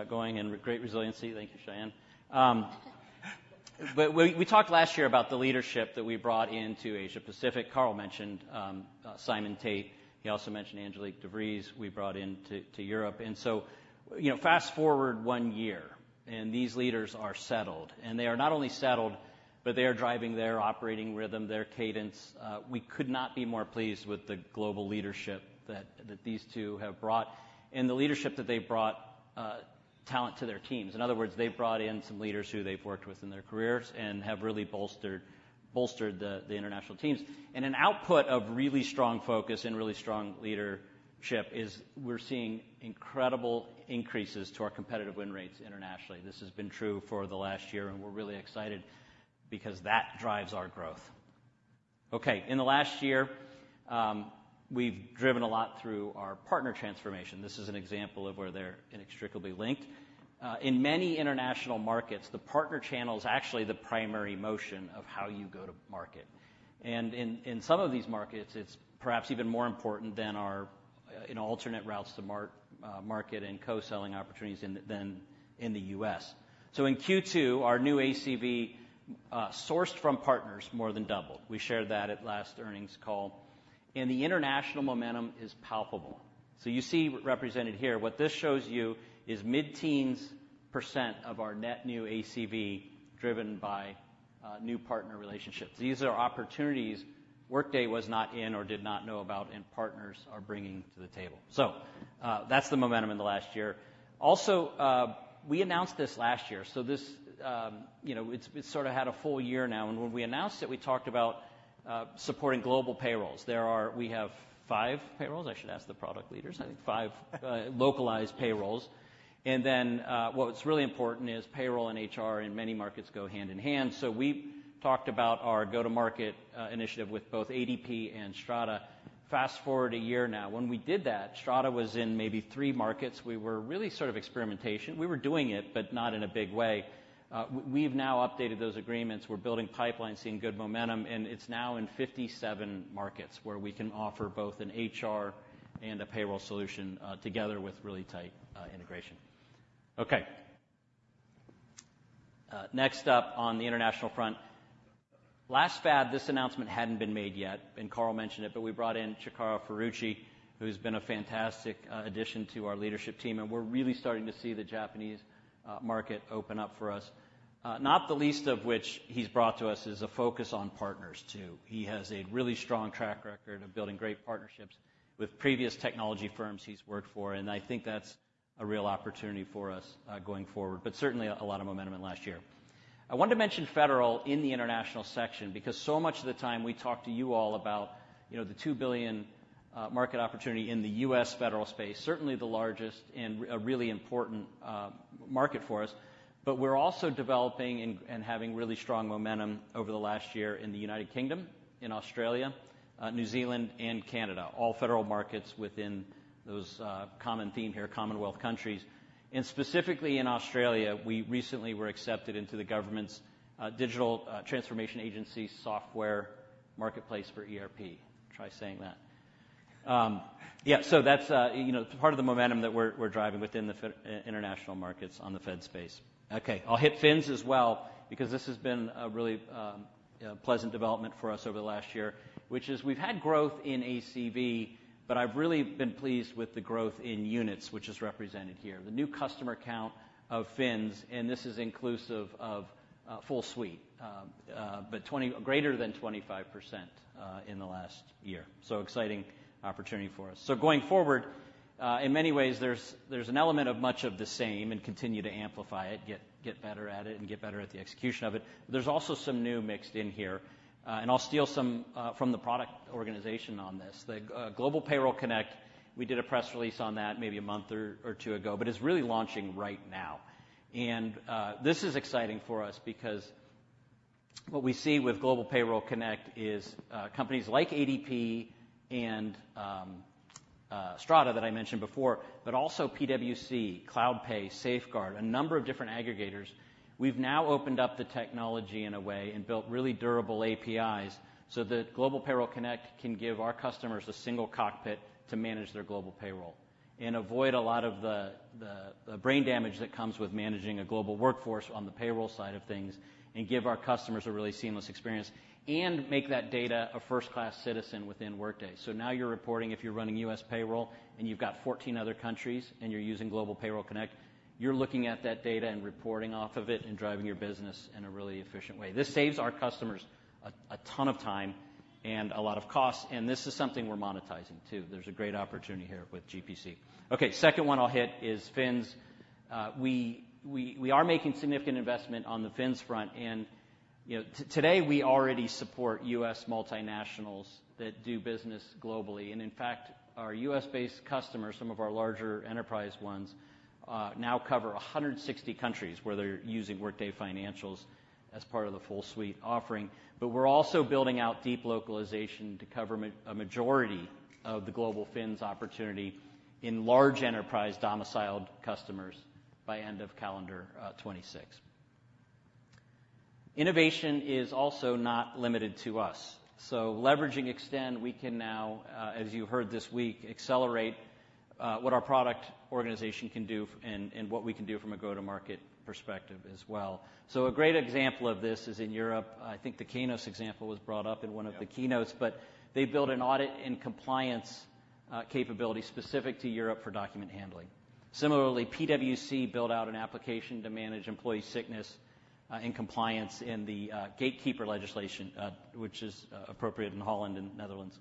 going and great resiliency. Thank you, Cheyenne. But we talked last year about the leadership that we brought into Asia Pacific. Carl mentioned Simon Tait. He also mentioned Angelique de Vries, we brought in to Europe. And so, you know, fast-forward one year, and these leaders are settled, and they are not only settled, but they are driving their operating rhythm, their cadence. We could not be more pleased with the global leadership these two have brought and the leadership that they've brought talent to their teams. In other words, they've brought in some leaders who they've worked with in their careers and have really bolstered the international teams. And an output of really strong focus and really strong leadership is we're seeing incredible increases to our competitive win rates internationally. This has been true for the last year, and we're really excited because that drives our growth. Okay, in the last year, we've driven a lot through our partner transformation. This is an example of where they're inextricably linked. In many international markets, the partner channel is actually the primary motion of how you go to market. And in some of these markets, it's perhaps even more important than our alternate routes to market and co-selling opportunities than in the US. So in Q2, our new ACV sourced from partners more than doubled. We shared that at last earnings call, and the international momentum is palpable. So you see represented here, what this shows you is mid-teens% of our net new ACV driven by new partner relationships. These are opportunities Workday was not in or did not know about and partners are bringing to the table. So, that's the momentum in the last year. Also, we announced this last year, so this, you know, it's sort of had a full year now, and when we announced it, we talked about supporting global payrolls. We have five payrolls? I should ask the product leaders. I think five localized payrolls. And then, what's really important is payroll and HR in many markets go hand in hand. So we talked about our go-to-market initiative with both ADP and Strada. Fast-forward a year now, when we did that, Strada was in maybe three markets. We were really sort of experimenting. We were doing it, but not in a big way. We've now updated those agreements. We're building pipelines, seeing good momentum, and it's now in 57 markets, where we can offer both an HR and a payroll solution, together with really tight integration. Okay. Next up on the international front. Last FY, this announcement hadn't been made yet, and Carl mentioned it, but we brought in Chikara Furuichi, who's been a fantastic addition to our leadership team, and we're really starting to see the Japanese market open up for us. Not the least of which he's brought to us is a focus on partners, too. He has a really strong track record of building great partnerships with previous technology firms he's worked for, and I think that's a real opportunity for us, going forward, but certainly a lot of momentum in last year. I want to mention federal in the international section, because so much of the time we talk to you all about, you know, the $2 billion market opportunity in the U.S. federal space, certainly the largest and really important market for us, but we're also developing and having really strong momentum over the last year in the United Kingdom, in Australia, New Zealand, and Canada. All federal markets within those, common theme here, commonwealth countries, and specifically in Australia, we recently were accepted into the government's Digital Transformation Agency Software Marketplace for ERP. Try saying that. Yeah, so that's part of the momentum that we're driving within the international markets on the fed space. Okay, I'll hit Fins as well, because this has been a really pleasant development for us over the last year, which is we've had growth in ACV, but I've really been pleased with the growth in units, which is represented here. The new customer count of Fins, and this is inclusive of full suite, but greater than 25% in the last year. It's an exciting opportunity for us. Going forward, in many ways, there's an element of much of the same and continue to amplify it, get better at it and get better at the execution of it. There's also some new mixed in here, and I'll steal some from the product organization on this. The Global Payroll Connect, we did a press release on that maybe a month or two ago, but it's really launching right now. And this is exciting for us because what we see with Global Payroll Connect is companies like ADP and Strada, that I mentioned before, but also PwC, CloudPay, Safeguard, a number of different aggregators. We've now opened up the technology in a way and built really durable APIs, so that Global Payroll Connect can give our customers a single cockpit to manage their global payroll and avoid a lot of the brain damage that comes with managing a global workforce on the payroll side of things, and give our customers a really seamless experience, and make that data a first-class citizen within Workday. So now you're reporting, if you're running U.S. Payroll, and you've got 14 other countries, and you're using Global Payroll Connect, you're looking at that data and reporting off of it and driving your business in a really efficient way. This saves our customers a ton of time and a lot of cost, and this is something we're monetizing, too. There's a great opportunity here with GPC. Okay, second one I'll hit is Fins. We are making significant investment on the Fins front, and, you know, today, we already support U.S. multinationals that do business globally. And in fact, our U.S.-based customers, some of our larger enterprise ones, now cover 160 countries where they're using Workday Financials as part of the full suite offering. But we're also building out deep localization to cover a majority of the global Fins opportunity in large enterprise domiciled customers by end of calendar 2026. Innovation is also not limited to us. So leveraging Extend, we can now, as you heard this week, accelerate what our product organization can do and what we can do from a go-to-market perspective as well. So a great example of this is in Europe. I think the Kainos example was brought up in one of the keynotes. But they built an audit and compliance capability specific to Europe for document handling. Similarly, PwC built out an application to manage employee sickness and compliance in the gatekeeper legislation, which is appropriate in Holland and Netherlands.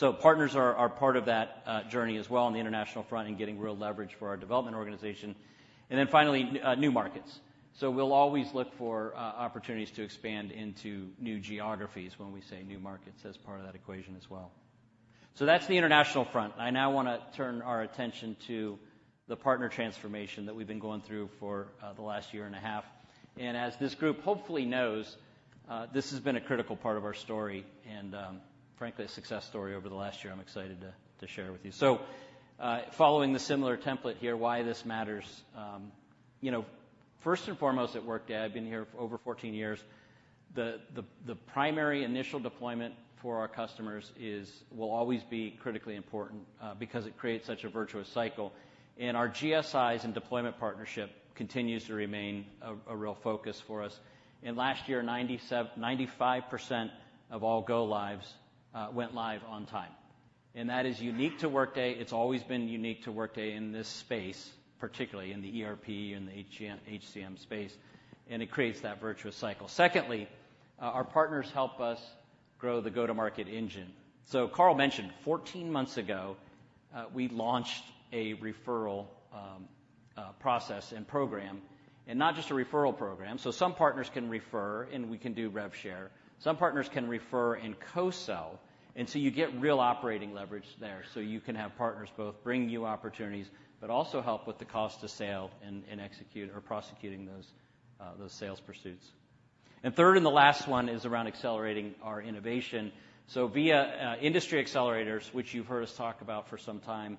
So partners are part of that journey as well on the international front and getting real leverage for our development organization. And then finally, new markets. So we'll always look for opportunities to expand into new geographies when we say new markets as part of that equation as well. So that's the international front. I now wanna turn our attention to the partner transformation that we've been going through for the last year and a half. And as this group hopefully knows, this has been a critical part of our story and, frankly, a success story over the last year. I'm excited to share with you. So, following the similar template here, why this matters? You know, first and foremost, at Workday, I've been here over fourteen years. The primary initial deployment for our customers will always be critically important because it creates such a virtuous cycle. Our GSIs and deployment partnership continues to remain a real focus for us. Last year, 95% of all go-lives went live on time, and that is unique to Workday. It's always been unique to Workday in this space, particularly in the ERP and the HCM space, and it creates that virtuous cycle. Secondly, our partners help us grow the go-to-market engine. Carl mentioned, 14 months ago, we launched a referral process and program, and not just a referral program. Some partners can refer, and we can do rev share. Some partners can refer and co-sell, and so you get real operating leverage there. So you can have partners both bring new opportunities, but also help with the cost of sale and execute or prosecuting those sales pursuits. And third, the last one is around accelerating our innovation. So via Industry Accelerators, which you've heard us talk about for some time,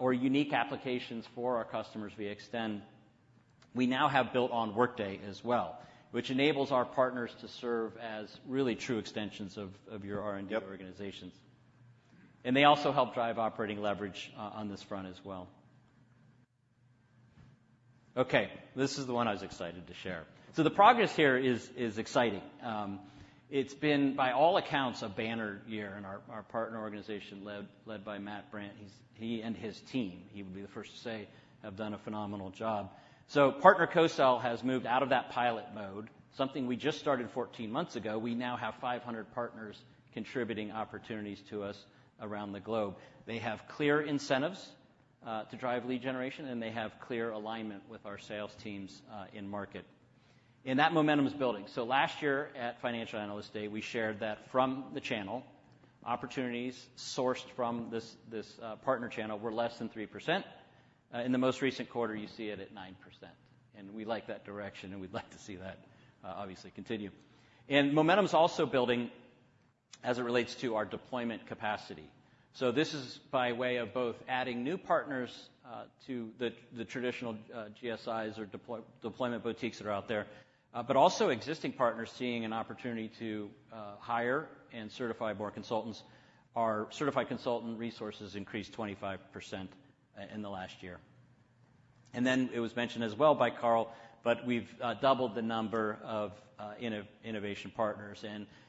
or unique applications for our customers via Extend, we now have Built on Workday as well, which enables our partners to serve as really true extensions of your R&D organizations. Yep. And they also help drive operating leverage on this front as well. Okay, this is the one I was excited to share. So the progress here is exciting. It's been, by all accounts, a banner year, and our partner organization, led by Matt Brandt, he and his team, he would be the first to say, have done a phenomenal job. So partner co-sell has moved out of that pilot mode, something we just started fourteen months ago. We now have five hundred partners contributing opportunities to us around the globe. They have clear incentives to drive lead generation, and they have clear alignment with our sales teams in market. And that momentum is building. So last year at Financial Analyst Day, we shared that from the channel, opportunities sourced from this partner channel were less than 3%. In the most recent quarter, you see it at 9%, and we like that direction, and we'd like to see that obviously continue. Momentum is also building as it relates to our deployment capacity. This is by way of both adding new partners to the traditional GSIs or deployment boutiques that are out there, but also existing partners seeing an opportunity to hire and certify more consultants. Our certified consultant resources increased 25% in the last year. Then it was mentioned as well by Carl, but we've doubled the number of innovation partners.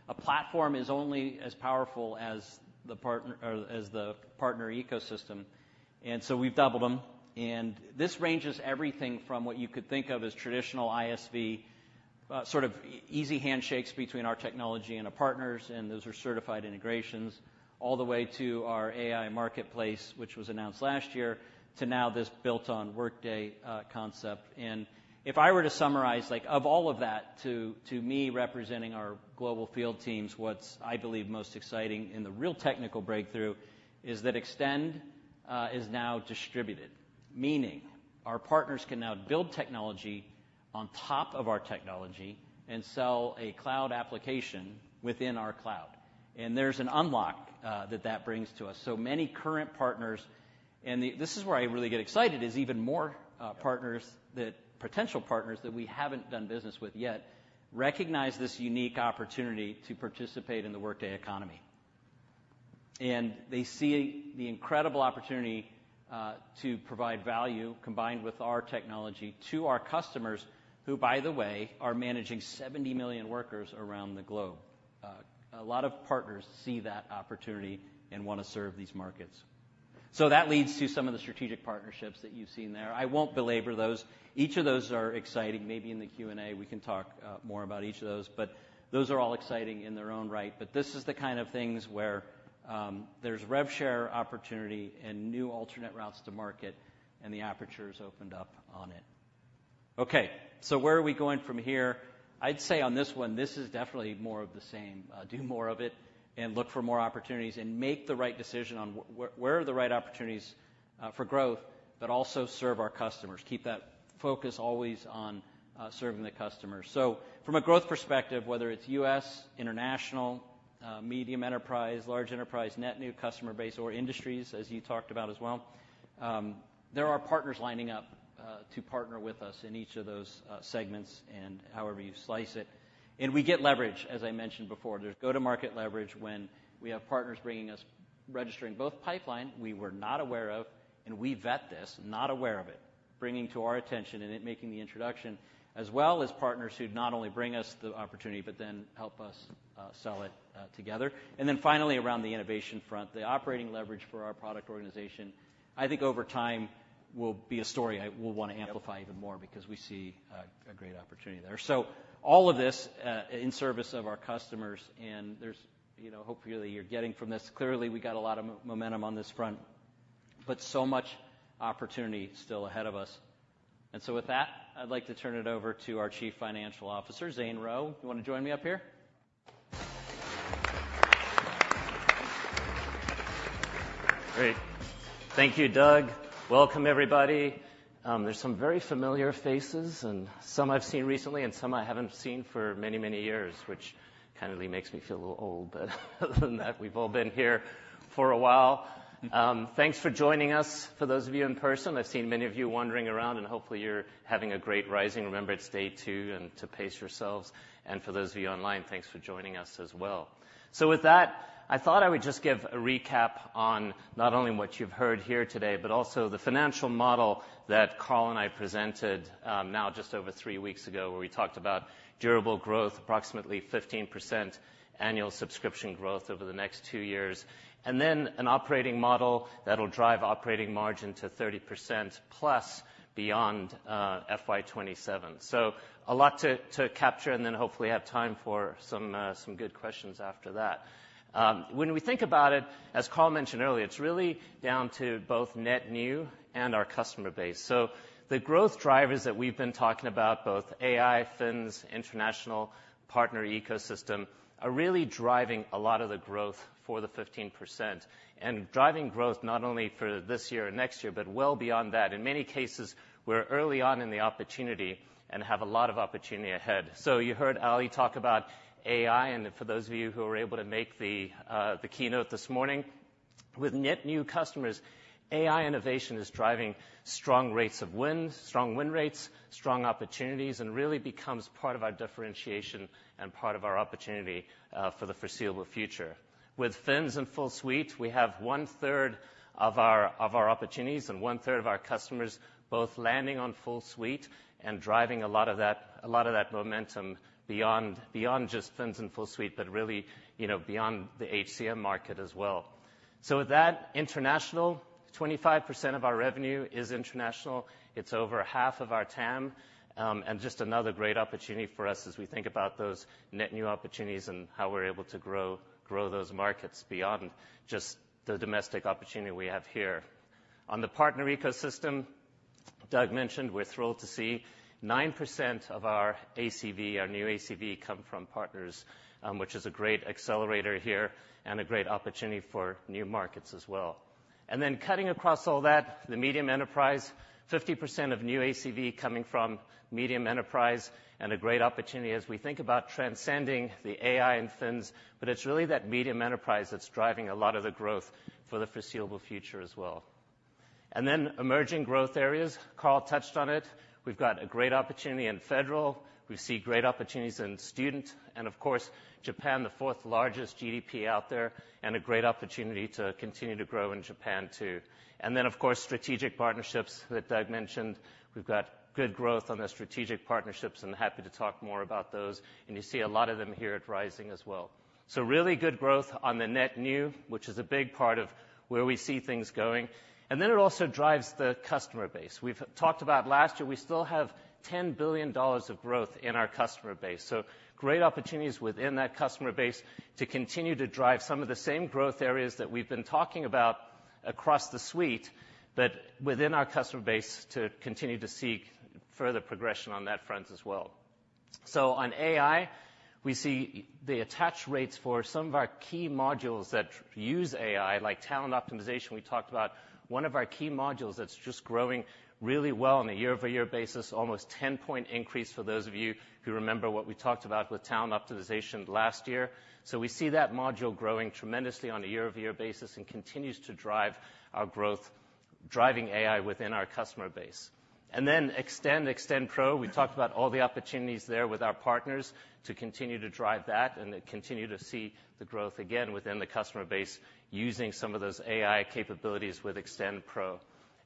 A platform is only as powerful as the partner... or as the partner ecosystem, and so we've doubled them. This ranges everything from what you could think of as traditional ISV, sort of easy handshakes between our technology and our partners, and those are certified integrations, all the way to our AI Marketplace, which was announced last year, to now this Built on Workday concept. If I were to summarize, like, of all of that, to me, representing our global field teams, what's, I believe, most exciting and the real technical breakthrough is that Extend is now distributed. Meaning our partners can now build technology on top of our technology and sell a cloud application within our cloud, and there's an unlock that brings to us. So many current partners, and then this is where I really get excited, is even more partners, potential partners that we haven't done business with yet, recognize this unique opportunity to participate in the Workday economy. And they see the incredible opportunity to provide value, combined with our technology, to our customers, who, by the way, are managing seventy million workers around the globe. A lot of partners see that opportunity and want to serve these markets. So that leads to some of the strategic partnerships that you've seen there. I won't belabor those. Each of those are exciting. Maybe in the Q&A, we can talk more about each of those, but those are all exciting in their own right. But this is the kind of things where, there's rev share opportunity and new alternate routes to market, and the aperture is opened up on it. Okay, so where are we going from here? I'd say on this one, this is definitely more of the same. Do more of it and look for more opportunities, and make the right decision on where are the right opportunities, for growth, but also serve our customers. Keep that focus always on, serving the customer. So from a growth perspective, whether it's US, international, medium enterprise, large enterprise, net new customer base, or industries, as you talked about as well, there are partners lining up, to partner with us in each of those, segments and however you slice it. And we get leverage, as I mentioned before. There's go-to-market leverage when we have partners bringing us... registering both pipeline we were not aware of, and we vet this, not aware of it, bringing to our attention and then making the introduction, as well as partners who not only bring us the opportunity, but then help us sell it together. And then finally, around the innovation front, the operating leverage for our product organization, I think over time, will be a story I will want to amplify- Yep... even more because we see a great opportunity there, so all of this, in service of our customers, and there's, you know, hopefully, you're getting from this. Clearly, we got a lot of momentum on this front, but so much opportunity still ahead of us, and so with that, I'd like to turn it over to our Chief Financial Officer, Zane Rowe. You want to join me up here? Great. Thank you, Doug. Welcome, everybody. There's some very familiar faces, and some I've seen recently, and some I haven't seen for many, many years, which kindly makes me feel a little old, but other than that, we've all been here for a while. Thanks for joining us. For those of you in person, I've seen many of you wandering around, and hopefully, you're having a great Rising. Remember, it's day two, and to pace yourselves. And for those of you online, thanks for joining us as well. So with that, I thought I would just give a recap on not only what you've heard here today, but also the financial model that Carl and I presented, now just over three weeks ago, where we talked about durable growth, approximately 15% annual subscription growth over the next two years, and then an operating model that'll drive operating margin to 30% plus beyond FY 2027. So a lot to capture, and then hopefully have time for some good questions after that. When we think about it, as Carl mentioned earlier, it's really down to both net new and our customer base, so the growth drivers that we've been talking about, both AI, Fins, International, partner ecosystem, are really driving a lot of the growth for the 15%, and driving growth not only for this year or next year, but well beyond that. In many cases, we're early on in the opportunity and have a lot of opportunity ahead, so you heard Ali talk about AI, and for those of you who were able to make the keynote this morning, with net new customers, AI innovation is driving strong rates of win, strong win rates, strong opportunities, and really becomes part of our differentiation and part of our opportunity for the foreseeable future. With Fins and Full Suite, we have one-third of our opportunities and 1/3 of our customers, both landing on Full Suite and driving a lot of that momentum beyond just Fins and Full Suite, but really, you know, beyond the HCM market as well. So with that, international, 25% of our revenue is international. It's over half of our TAM, and just another great opportunity for us as we think about those net new opportunities and how we're able to grow those markets beyond just the domestic opportunity we have here. On the partner ecosystem, Doug mentioned we're thrilled to see 9% of our ACV, our new ACV, come from partners, which is a great accelerator here and a great opportunity for new markets as well. And then cutting across all that, the medium enterprise, 50% of new ACV coming from medium enterprise, and a great opportunity as we think about transcending the AI and Fins, but it's really that medium enterprise that's driving a lot of the growth for the foreseeable future as well. And then emerging growth areas, Carl touched on it. We've got a great opportunity in federal. We see great opportunities in student, and of course, Japan, the fourth-largest GDP out there, and a great opportunity to continue to grow in Japan, too. And then, of course, strategic partnerships that Doug mentioned. We've got good growth on the strategic partnerships, and happy to talk more about those, and you see a lot of them here at Rising as well. So really good growth on the net new, which is a big part of where we see things going. It also drives the customer base. We've talked about last year. We still have $10 billion of growth in our customer base, so great opportunities within that customer base to continue to drive some of the same growth areas that we've been talking about across the suite, but within our customer base, to continue to see further progression on that front as well. On AI, we see the attach rates for some of our key modules that use AI, like Talent Optimization, we talked about. One of our key modules that's just growing really well on a year-over-year basis, almost 10-point increase for those of you who remember what we talked about with Talent Optimization last year. We see that module growing tremendously on a year-over-year basis and continues to drive our growth, driving AI within our customer base. Then Extend, Extend Pro, we talked about all the opportunities there with our partners to continue to drive that and to continue to see the growth again within the customer base, using some of those AI capabilities with Extend Pro.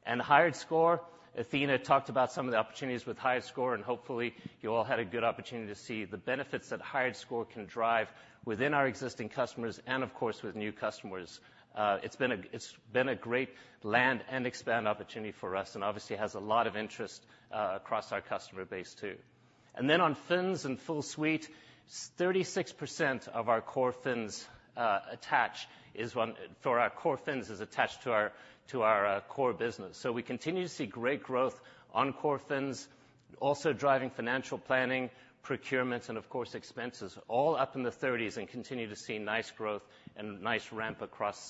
HiredScore, Athena talked about some of the opportunities with HiredScore, and hopefully, you all had a good opportunity to see the benefits that HiredScore can drive within our existing customers and, of course, with new customers. It's been a great land and expand opportunity for us, and obviously has a lot of interest across our customer base, too. Then on Fins and Full Suite, 36% of our core Fins attach, for our core Fins is attached to our core business. So we continue to see great growth on core Fins, also driving financial planning, procurements, and of course, expenses all up in the 30s and continue to see nice growth and nice ramp across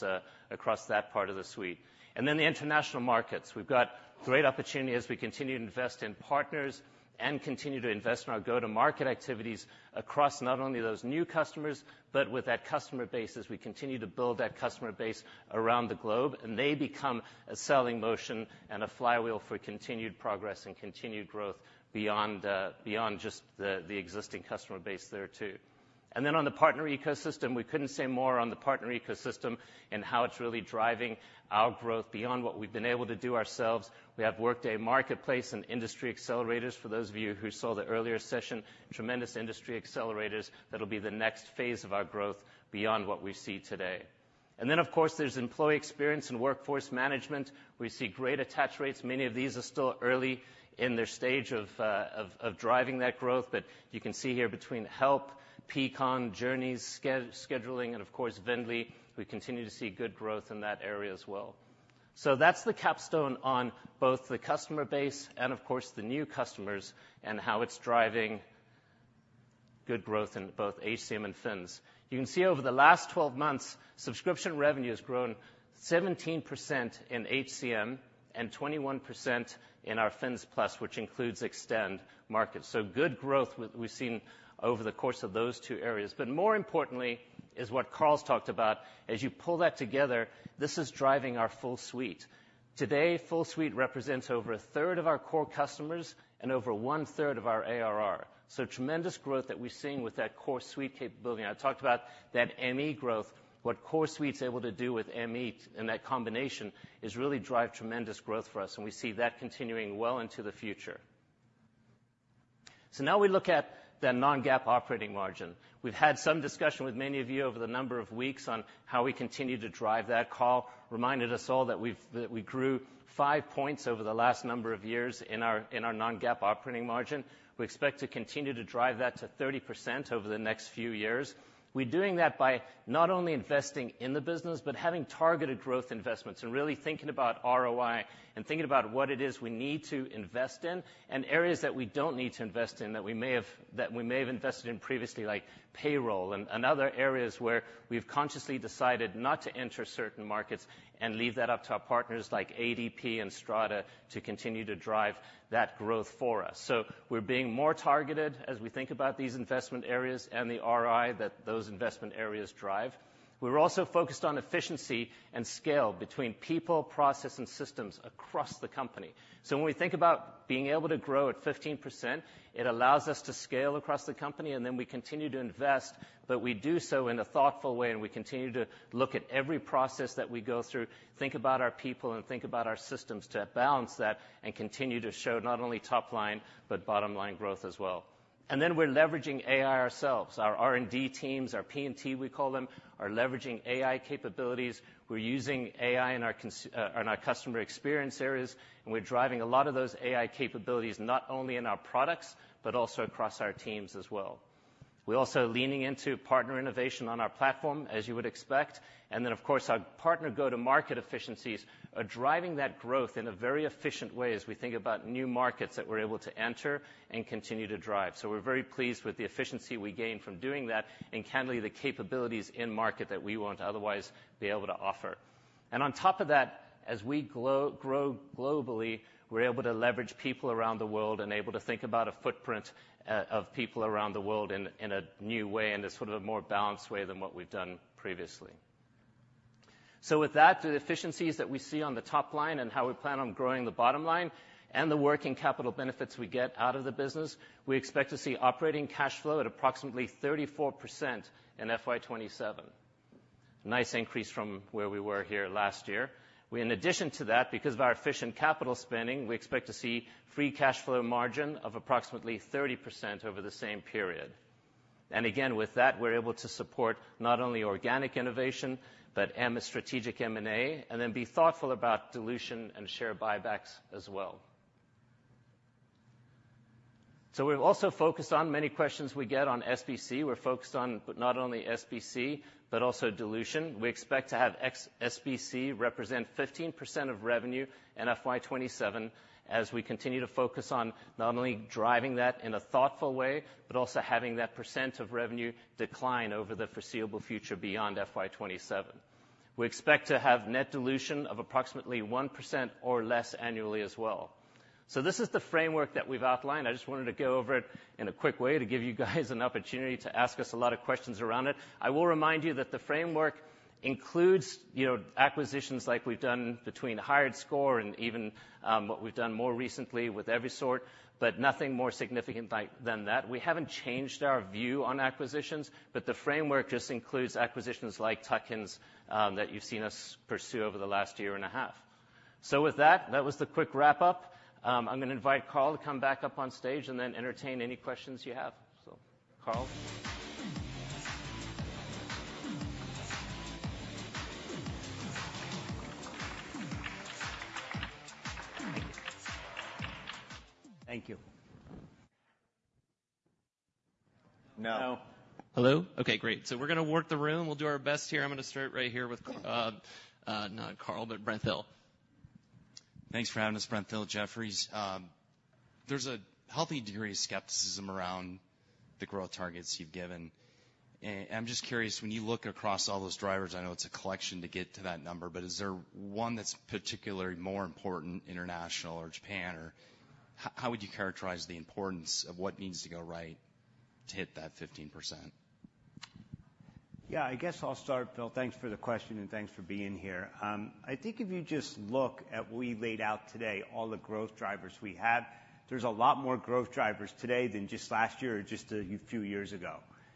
that part of the suite. And then the international markets. We've got great opportunity as we continue to invest in partners and continue to invest in our go-to-market activities across not only those new customers, but with that customer base as we continue to build that customer base around the globe, and they become a selling motion and a flywheel for continued progress and continued growth beyond just the existing customer base there, too. And then on the partner ecosystem, we couldn't say more on the partner ecosystem and how it's really driving our growth beyond what we've been able to do ourselves. We have Workday Marketplace and industry accelerators, for those of you who saw the earlier session, tremendous industry accelerators that'll be the next phase of our growth beyond what we see today. And then, of course, there's employee experience and workforce management. We see great attach rates. Many of these are still early in their stage of driving that growth, but you can see here between Help, Peakon, Journeys, Scheduling, and of course, VNDLY, we continue to see good growth in that area as well. So that's the capstone on both the customer base and, of course, the new customers and how it's driving good growth in both HCM and Fins. You can see over the last 12 months, subscription revenue has grown 17% in HCM and 21% in our Fins Plus, which includes extend markets. Good growth we've seen over the course of those two areas. But more importantly is what Carl's talked about. As you pull that together, this is driving our full suite. Today, full suite represents over a third of our core customers and over 1/3 of our ARR. So tremendous growth that we're seeing with that core suite capability. I talked about that ME growth. What Core Suite is able to do with ME, and that combination, is really drive tremendous growth for us, and we see that continuing well into the future. So now we look at the non-GAAP operating margin. We've had some discussion with many of you over the number of weeks on how we continue to drive that call. Reminded us all that we grew five points over the last number of years in our non-GAAP operating margin. We expect to continue to drive that to 30% over the next few years. We're doing that by not only investing in the business, but having targeted growth investments, and really thinking about ROI, and thinking about what it is we need to invest in, and areas that we don't need to invest in, that we may have invested in previously, like payroll and other areas where we've consciously decided not to enter certain markets and leave that up to our partners like ADP and Strada, to continue to drive that growth for us. So we're being more targeted as we think about these investment areas and the ROI that those investment areas drive. We're also focused on efficiency and scale between people, process, and systems across the company. When we think about being able to grow at 15%, it allows us to scale across the company, and then we continue to invest, but we do so in a thoughtful way, and we continue to look at every process that we go through, think about our people, and think about our systems to balance that, and continue to show not only top line, but bottom-line growth as well. We're leveraging AI ourselves. Our R&D teams, our P&T, we call them, are leveraging AI capabilities. We're using AI in our customer experience areas, and we're driving a lot of those AI capabilities, not only in our products, but also across our teams as well. We're also leaning into partner innovation on our platform, as you would expect. Then, of course, our partner go-to-market efficiencies are driving that growth in a very efficient way as we think about new markets that we're able to enter and continue to drive. We're very pleased with the efficiency we gain from doing that, and candidly, the capabilities in market that we won't otherwise be able to offer. On top of that, as we grow globally, we're able to leverage people around the world and able to think about a footprint of people around the world in a new way, in a sort of a more balanced way than what we've done previously. So with that, the efficiencies that we see on the top line and how we plan on growing the bottom line, and the working capital benefits we get out of the business, we expect to see operating cash flow at approximately 34% in FY 2027. Nice increase from where we were here last year. We, in addition to that, because of our efficient capital spending, we expect to see free cash flow margin of approximately 30% over the same period. And again, with that, we're able to support not only organic innovation, but strategic M&A, and then be thoughtful about dilution and share buybacks as well. So we've also focused on many questions we get on SBC. We're focused on not only SBC, but also dilution. We expect to have ex-SBC represent 15% of revenue in FY 2027, as we continue to focus on not only driving that in a thoughtful way, but also having that percent of revenue decline over the foreseeable future beyond FY 2027. We expect to have net dilution of approximately 1% or less annually as well. So this is the framework that we've outlined. I just wanted to go over it in a quick way to give you guys an opportunity to ask us a lot of questions around it. I will remind you that the framework includes, you know, acquisitions like we've done between HiredScore and even, what we've done more recently with Evisort, but nothing more significant than that. We haven't changed our view on acquisitions, but the framework just includes acquisitions like tuck-ins that you've seen us pursue over the last year and a half. So with that, that was the quick wrap-up. I'm gonna invite Carl to come back up on stage and then entertain any questions you have. So, Carl? Thank you. Now- Now. Hello? Okay, great. So we're gonna work the room. We'll do our best here. I'm gonna start right here with, not Carl, but Brent Thill. Thanks for having us. Brent Thill, Jefferies. There's a healthy degree of skepticism around the growth targets you've given. I'm just curious, when you look across all those drivers, I know it's a collection to get to that number, but is there one that's particularly more important, international or Japan, or how would you characterize the importance of what needs to go right to hit that 15%? Yeah, I guess I'll start, Thill. Thanks for the question, and thanks for being here. I think if you just look at what we laid out today, all the growth drivers we have, there's a lot more growth drivers today than just last year or just a few years ago.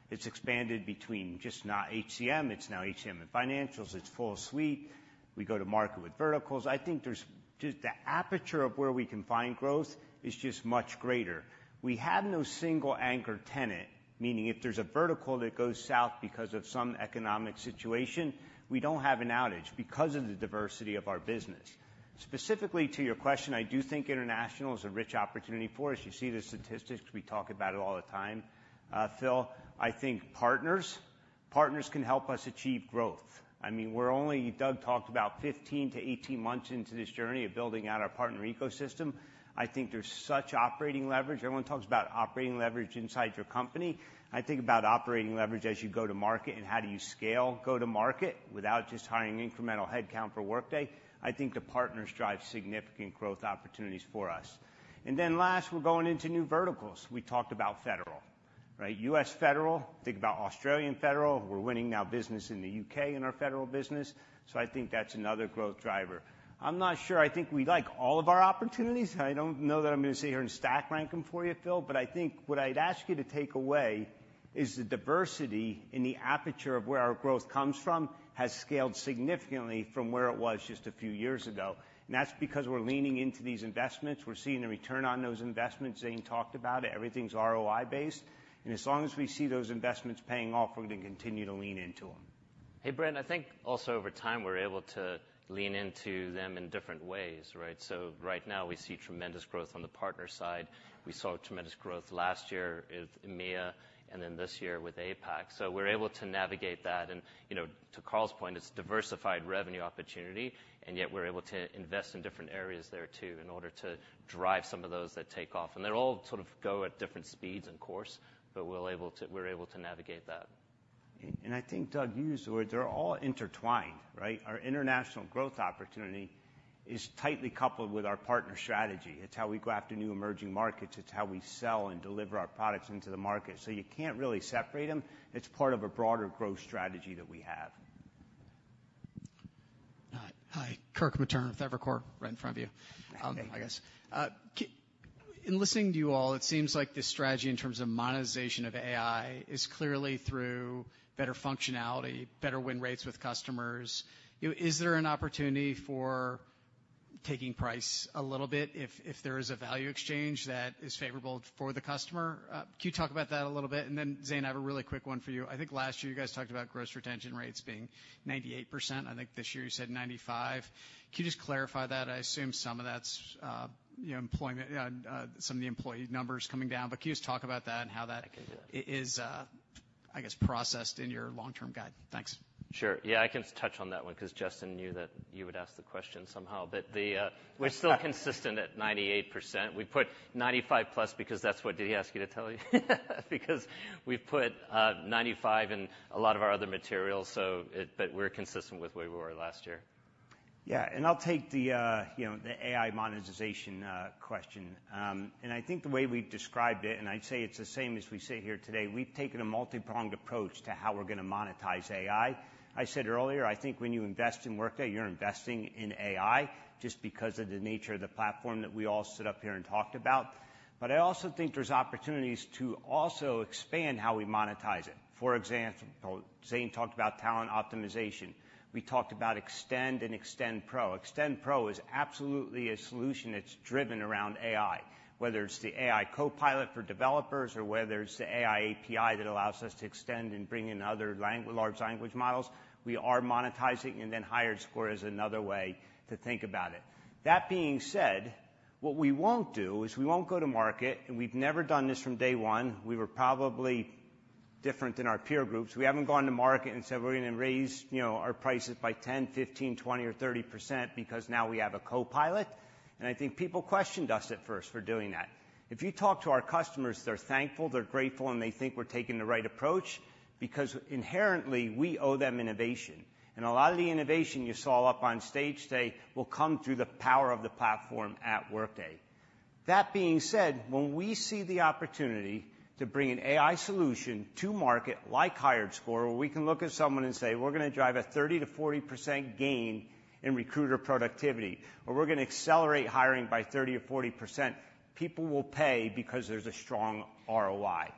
It's expanded between just not HCM, it's now HCM and financials, it's full suite. We go to market with verticals. I think there's just the aperture of where we can find growth is just much greater. We have no single anchor tenant, meaning if there's a vertical that goes south because of some economic situation, we don't have an outage because of the diversity of our business. Specifically, to your question, I do think international is a rich opportunity for us. You see the statistics, we talk about it all the time, Thill. I think partners-... Partners can help us achieve growth. I mean, we're only 15-18 months into this journey of building out our partner ecosystem. I think there's such operating leverage. Everyone talks about operating leverage inside your company. I think about operating leverage as you go to market, and how do you scale go-to-market without just hiring incremental headcount for Workday? I think the partners drive significant growth opportunities for us. And then last, we're going into new verticals. We talked about federal, right? U.S. Federal. Think about Australian Federal. We're winning new business in the U.K. in our federal business, so I think that's another growth driver. I'm not sure. I think we like all of our opportunities. I don't know that I'm going to sit here and stack rank them for you, Thill, but I think what I'd ask you to take away is the diversity in the aperture of where our growth comes from has scaled significantly from where it was just a few years ago. And that's because we're leaning into these investments. We're seeing a return on those investments. Zane talked about it. Everything's ROI-based, and as long as we see those investments paying off, we're going to continue to lean into them. Hey, Brent, I think also over time, we're able to lean into them in different ways, right? So right now, we see tremendous growth on the partner side. We saw tremendous growth last year with EMEA and then this year with APAC. So we're able to navigate that, and, you know, to Carl's point, it's diversified revenue opportunity, and yet we're able to invest in different areas there, too, in order to drive some of those that take off. And they're all sort of go at different speeds, of course, but we're able to navigate that. And I think, Doug, you used the word, they're all intertwined, right? Our international growth opportunity is tightly coupled with our partner strategy. It's how we go after new emerging markets. It's how we sell and deliver our products into the market, so you can't really separate them. It's part of a broader growth strategy that we have. Hi, Kirk Materne with Evercore, right in front of you, I guess. In listening to you all, it seems like this strategy in terms of monetization of AI is clearly through better functionality, better win rates with customers. Is there an opportunity for taking price a little bit if, if there is a value exchange that is favorable for the customer? Can you talk about that a little bit? And then, Zane, I have a really quick one for you. I think last year you guys talked about gross retention rates being 98%. I think this year you said 95%. Can you just clarify that? I assume some of that's, you know, employment, some of the employee numbers coming down, but can you just talk about that and how that is, processed in your long-term guide? Thanks. Sure. Yeah, I can touch on that one because Justin knew that you would ask the question somehow. But we're still consistent at 98%. We put 95%+ because that's what did he ask you to tell you? Because we've put 95% in a lot of our other materials, so but we're consistent with where we were last year. Yeah, and I'll take the, you know, the AI monetization question. And I think the way we've described it, and I'd say it's the same as we sit here today, we've taken a multipronged approach to how we're going to monetize AI. I said earlier, I think when you invest in Workday, you're investing in AI, just because of the nature of the platform that we all sit up here and talked about. But I also think there's opportunities to also expand how we monetize it. For example, Zane talked about talent optimization. We talked about Extend and Extend Pro. Extend Pro is absolutely a solution that's driven around AI, whether it's the AI copilot for developers or whether it's the AI API that allows us to extend and bring in other large language models, we are monetizing, and then HiredScore is another way to think about it. That being said, what we won't do is we won't go to market, and we've never done this from day one. We were probably different than our peer groups. We haven't gone to market and said, we're going to raise, you know, our prices by 10%, 15%, 20%, or 30% because now we have a copilot. And I think people questioned us at first for doing that. If you talk to our customers, they're thankful, they're grateful, and they think we're taking the right approach because inherently, we owe them innovation. A lot of the innovation you saw up on stage today will come through the power of the platform at Workday. That being said, when we see the opportunity to bring an AI solution to market, like HiredScore, where we can look at someone and say, "We're going to drive a 30%-40% gain in recruiter productivity, or we're going to accelerate hiring by 30% or 40%," people will pay because there's a strong ROI.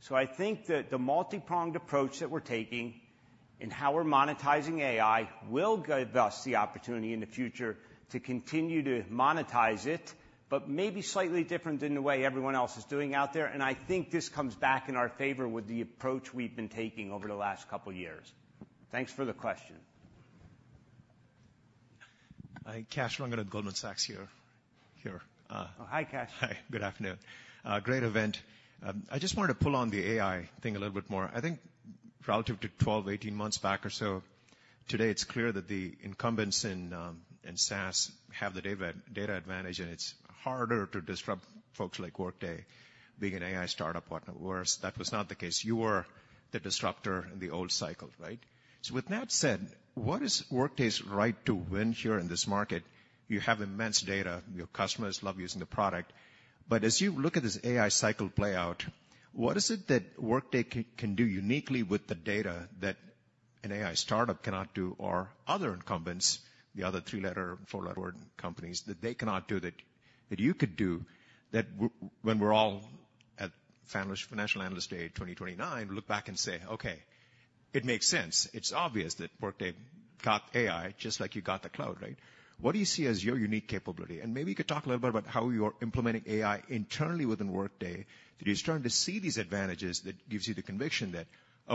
So I think that the multipronged approach that we're taking in how we're monetizing AI will give us the opportunity in the future to continue to monetize it, but maybe slightly different than the way everyone else is doing out there. And I think this comes back in our favor with the approach we've been taking over the last couple of years. Thanks for the question. Hi, Kash Rangan at Goldman Sachs, here. Oh, hi, Kash. Hi, good afternoon. Great event. I just wanted to pull on the AI thing a little bit more. I think relative to 12, 18 months back or so, today, it's clear that the incumbents in SaaS have the data advantage, and it's harder to disrupt folks like Workday, being an AI startup partner, whereas that was not the case. You were the disruptor in the old cycle, right? So with that said, what is Workday's right to win here in this market? You have immense data, your customers love using the product, but as you look at this AI cycle play out, what is it that Workday can do uniquely with the data that an AI startup cannot do or other incumbents, the other three-letter, four-letter word companies, that they cannot do that, that you could do, that when we're all at Financial Analyst Day 2029, look back and say, "Okay, it makes sense. It's obvious that Workday got AI, just like you got the cloud, right?" What do you see as your unique capability? And maybe you could talk a little bit about how you're implementing AI internally within Workday, that you're starting to see these advantages, that gives you the conviction that,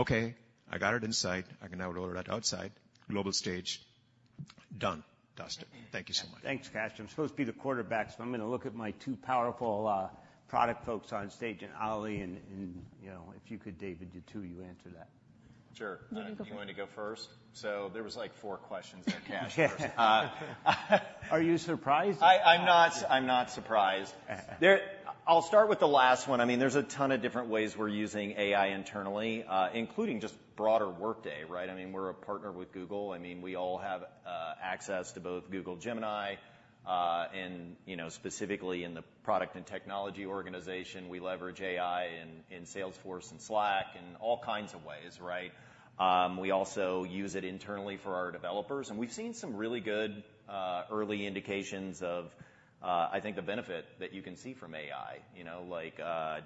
"Okay, I got it in sight. I can now roll it out outside global stage. Done, dusted. Thank you so much. Thanks, Kash. I'm supposed to be the quarterback, so I'm gonna look at my two powerful product folks on stage, and Ali, and you know, if you could, David, you too, you answer that. Sure. No, you go first. Do you want to go first? So there was, like, four questions there, Kash. Are you surprised? I'm not surprised. I'll start with the last one. I mean, there's a ton of different ways we're using AI internally, including just broader Workday, right? I mean, we're a partner with Google. I mean, we all have access to both Google Gemini, and, you know, specifically in the product and technology organization, we leverage AI in Salesforce and Slack in all kinds of ways, right? We also use it internally for our developers, and we've seen some really good early indications of, I think, the benefit that you can see from AI. You know, like,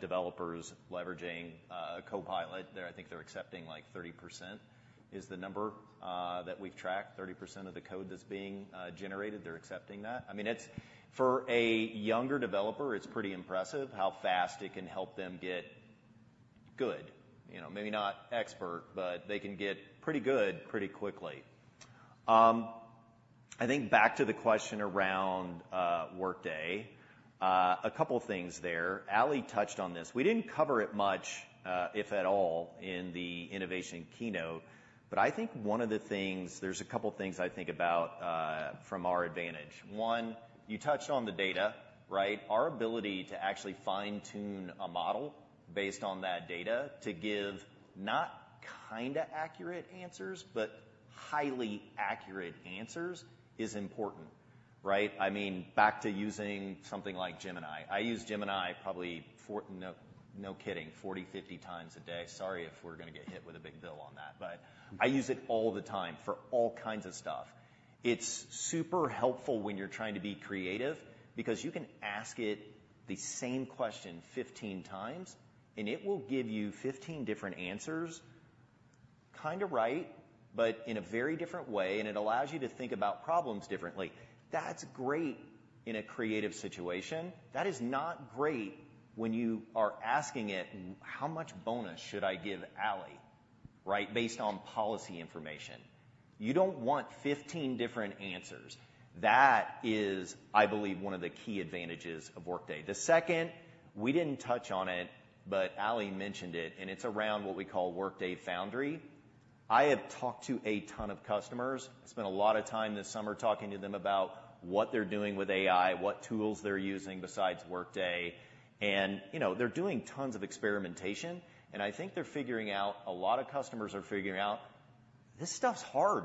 developers leveraging Copilot. They're. I think they're accepting, like, 30% is the number that we've tracked. 30% of the code that's being generated, they're accepting that. I mean, it's... For a younger developer, it's pretty impressive how fast it can help them get good. You know, maybe not expert, but they can get pretty good pretty quickly. I think back to the question around Workday. A couple things there. Ali touched on this. We didn't cover it much, if at all, in the innovation keynote, but I think one of the things. There's a couple things I think about from our advantage. One, you touched on the data, right? Our ability to actually fine-tune a model based on that data to give not kinda accurate answers but highly accurate answers is important, right? I mean, back to using something like Gemini. I use Gemini probably fort, no, no kidding, 40x, 45x a day. Sorry, if we're gonna get hit with a big bill on that, but I use it all the time for all kinds of stuff. It's super helpful when you're trying to be creative because you can ask it the same question fifteen times, and it will give you fifteen different answers, kinda right, but in a very different way, and it allows you to think about problems differently. That's great in a creative situation. That is not great when you are asking it: How much bonus should I give Ali, right, based on policy information? You don't want fifteen different answers. That is, I believe, one of the key advantages of Workday. The second, we didn't touch on it, but Ali mentioned it, and it's around what we call Workday Foundry. I have talked to a ton of customers, spent a lot of time this summer talking to them about what they're doing with AI, what tools they're using besides Workday, and, you know, they're doing tons of experimentation, and I think they're figuring out, a lot of customers are figuring out, this stuff's hard.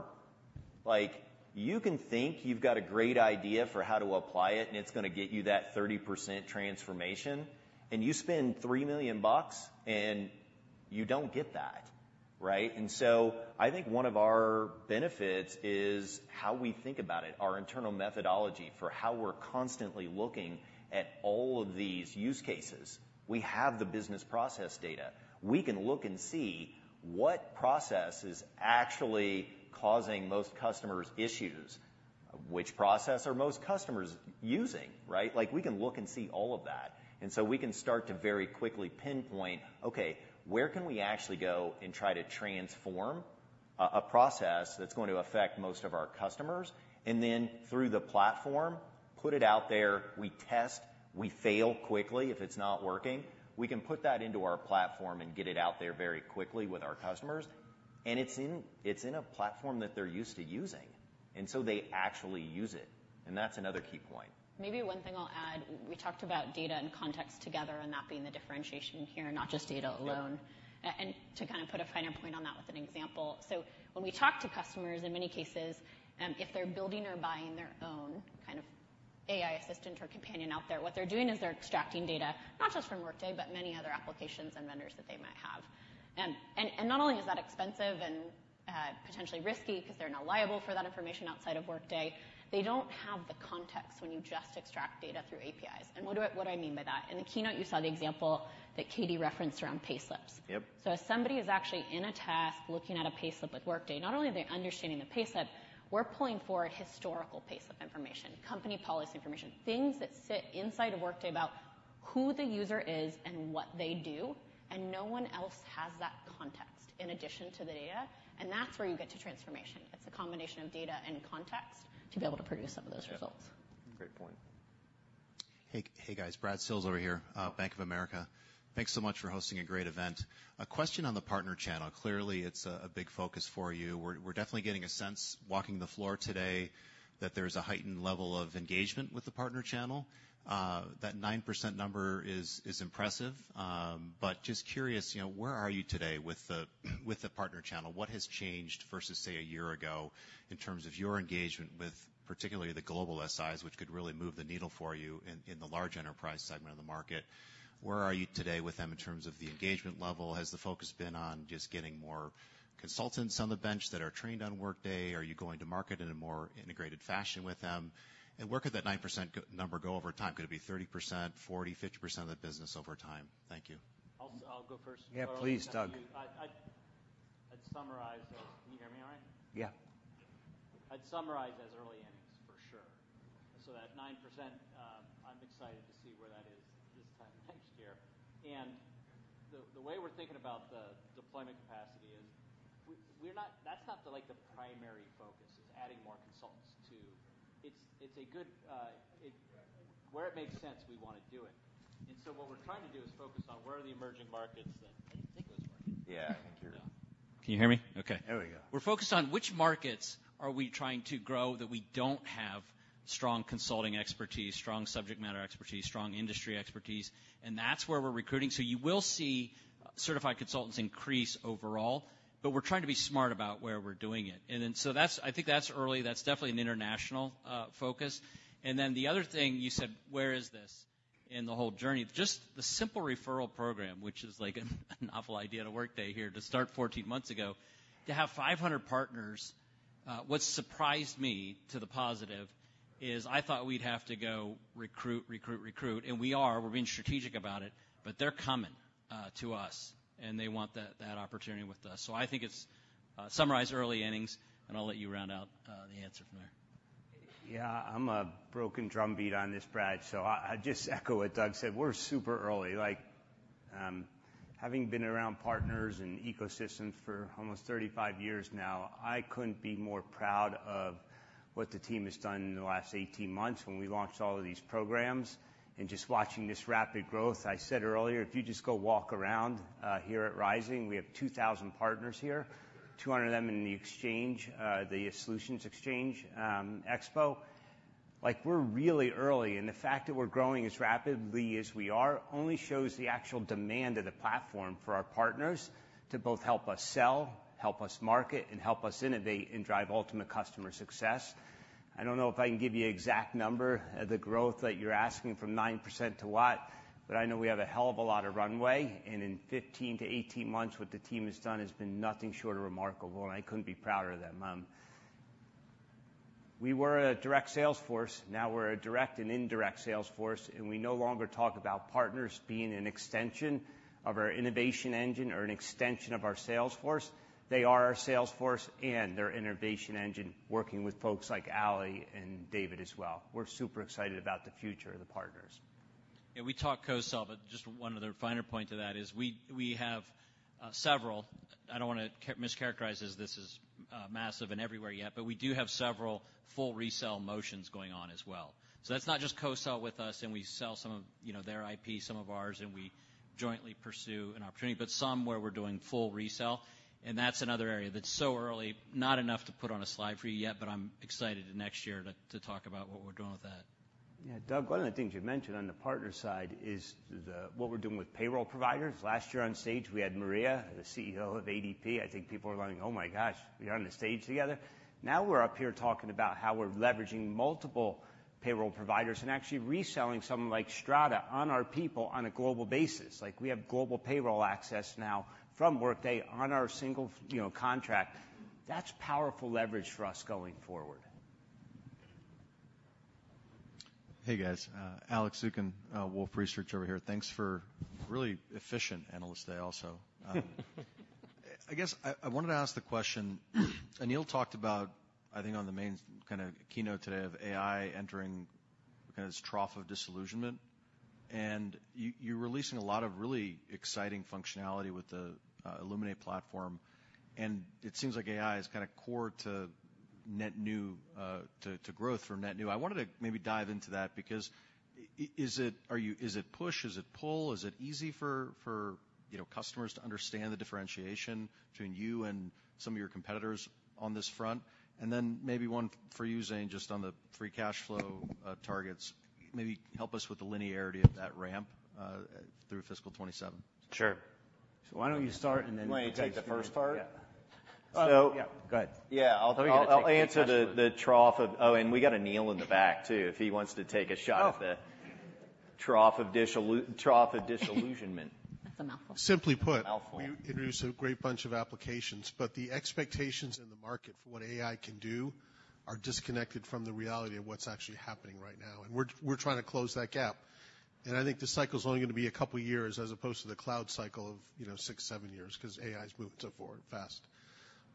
Like, you can think you've got a great idea for how to apply it, and it's gonna get you that 30% transformation, and you spend $3 million, and you don't get that, right? And so I think one of our benefits is how we think about it, our internal methodology for how we're constantly looking at all of these use cases. We have the business process data. We can look and see what process is actually causing most customers issues, which process are most customers using, right? Like, we can look and see all of that. And so we can start to very quickly pinpoint, okay, where can we actually go and try to transform a process that's going to affect most of our customers? And then through the platform, put it out there. We test, we fail quickly if it's not working. We can put that into our platform and get it out there very quickly with our customers, and it's in a platform that they're used to using, and so they actually use it, and that's another key point. Maybe one thing I'll add. We talked about data and context together, and that being the differentiation here, not just data alone. And to kind of put a finer point on that with an example, so when we talk to customers, in many cases, if they're building or buying their own kind of AI assistant or companion out there, what they're doing is they're extracting data, not just from Workday, but many other applications and vendors that they might have. And not only is that expensive and potentially risky because they're now liable for that information outside of Workday, they don't have the context when you just extract data through APIs. And what do I mean by that? In the keynote, you saw the example that Katie referenced around payslips. Yep. So if somebody is actually in a task looking at a payslip with Workday, not only are they understanding the payslip, we're pulling for historical payslip information, company policy information, things that sit inside of Workday about who the user is and what they do, and no one else has that context in addition to the data, and that's where you get to transformation. It's a combination of data and context to be able to produce some of those results. Yep. Great point. Hey, hey, guys. Brad Sills over here, Bank of America. Thanks so much for hosting a great event. A question on the partner channel. Clearly, it's a big focus for you. We're definitely getting a sense, walking the floor today, that there's a heightened level of engagement with the partner channel. That 9% number is impressive, but just curious, you know, where are you today with the partner channel? What has changed versus, say, a year ago, in terms of your engagement with particularly the global SIs, which could really move the needle for you in the large enterprise segment of the market? Where are you today with them in terms of the engagement level? Has the focus been on just getting more consultants on the bench that are trained on Workday? Are you going to market in a more integrated fashion with them? And where could that 9% growth number go over time? Could it be 30%, 40%, 50% of the business over time? Thank you. I'll go first. Yeah, please, Doug. I'd summarize... Can you hear me all right? Yeah. I'd summarize as earlier-... So that 9%, I'm excited to see where that is this time next year. And the way we're thinking about the deployment capacity is we're not – that's not the primary focus, like adding more consultants to it. It's a good – where it makes sense, we wanna do it. And so what we're trying to do is focus on where the emerging markets that- I didn't think it was working. Yeah, I think you're- Can you hear me? Okay. There we go. We're focused on which markets are we trying to grow that we don't have strong consulting expertise, strong subject matter expertise, strong industry expertise, and that's where we're recruiting. So you will see certified consultants increase overall, but we're trying to be smart about where we're doing it. And then, so that's I think that's early. That's definitely an international focus. And then the other thing, you said, "Where is this in the whole journey?" Just the simple referral program, which is, like, an awful idea to Workday here, to start 14 months ago, to have 500 partners, what surprised me, to the positive, is I thought we'd have to go recruit, recruit, recruit, and we are. We're being strategic about it, but they're coming to us, and they want that, that opportunity with us. So I think it's summarize early innings, and I'll let you round out the answer from there. Yeah, I'm a broken drumbeat on this, Brad, so I, I just echo what Doug said. We're super early. Like, having been around partners and ecosystems for almost 35 years now, I couldn't be more proud of what the team has done in the last 18 months when we launched all of these programs and just watching this rapid growth. I said earlier, if you just go walk around, here at Rising, we have 2,000 partners here, 200 of them in the Exchange, the Solutions Exchange, Expo. Like, we're really early, and the fact that we're growing as rapidly as we are only shows the actual demand of the platform for our partners to both help us sell, help us market, and help us innovate and drive ultimate customer success. I don't know if I can give you an exact number of the growth that you're asking from 9% to what, but I know we have a hell of a lot of runway, and in 15-18 months, what the team has done has been nothing short of remarkable, and I couldn't be prouder of them. We were a direct sales force, now we're a direct and indirect sales force, and we no longer talk about partners being an extension of our innovation engine or an extension of our sales force. They are our sales force and their innovation engine, working with folks like Ali and David as well. We're super excited about the future of the partners. Yeah, we talk co-sell, but just one other finer point to that is we have several. I don't wanna mischaracterize this as massive and everywhere yet, but we do have several full resell motions going on as well. So that's not just co-sell with us, and we sell some of, you know, their IP, some of ours, and we jointly pursue an opportunity, but some where we're doing full resell, and that's another area that's so early. Not enough to put on a slide for you yet, but I'm excited next year to talk about what we're doing with that. Yeah, Doug, one of the things you mentioned on the partner side is what we're doing with payroll providers. Last year on stage, we had Maria, the CEO of ADP. I think people are going: "Oh, my gosh, we are on the stage together?" Now we're up here talking about how we're leveraging multiple payroll providers and actually reselling something like Strada on our people on a global basis. Like, we have global payroll access now from Workday on our single, you know, contract. That's powerful leverage for us going forward. Hey, guys, Alex Zukin, Wolfe Research over here. Thanks for really efficient Analyst Day also. I guess I wanted to ask the question, Aneel talked about, I think, on the main kind of keynote today, of AI entering kind of this trough of disillusionment, and you're releasing a lot of really exciting functionality with the Illuminate platform, and it seems like AI is kind of core to net new to growth from net new. I wanted to maybe dive into that because is it push? Is it pull? Is it easy for you know, customers to understand the differentiation between you and some of your competitors on this front? And then maybe one for you, Zane, just on the free cash flow targets. Maybe help us with the linearity of that ramp through fiscal 2027. Sure. So why don't you start, and thentake the first part? Yeah. So- Yeah, go ahead. Yeah. I'll take it. I'll answer the trough of... Oh, and we got Aneel in the back, too, if he wants to take a shot at the- Oh! Trough of disillusionment. That's a mouthful. Simply put- Mouthful We introduced a great bunch of applications, but the expectations in the market for what AI can do are disconnected from the reality of what's actually happening right now, and we're trying to close that gap. And I think the cycle's only gonna be a couple years, as opposed to the cloud cycle of, you know, six, seven years, 'cause AI's moving so forward fast.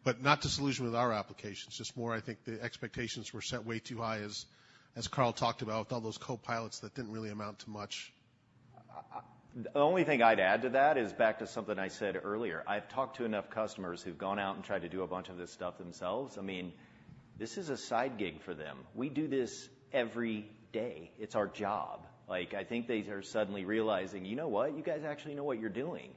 But not disillusionment with our applications, just more, I think, the expectations were set way too high, as Carl talked about, with all those copilots that didn't really amount to much. The only thing I'd add to that is back to something I said earlier. I've talked to enough customers who've gone out and tried to do a bunch of this stuff themselves. I mean, this is a side gig for them. We do this every day. It's our job. Like, I think they are suddenly realizing: "You know what? You guys actually know what you're doing."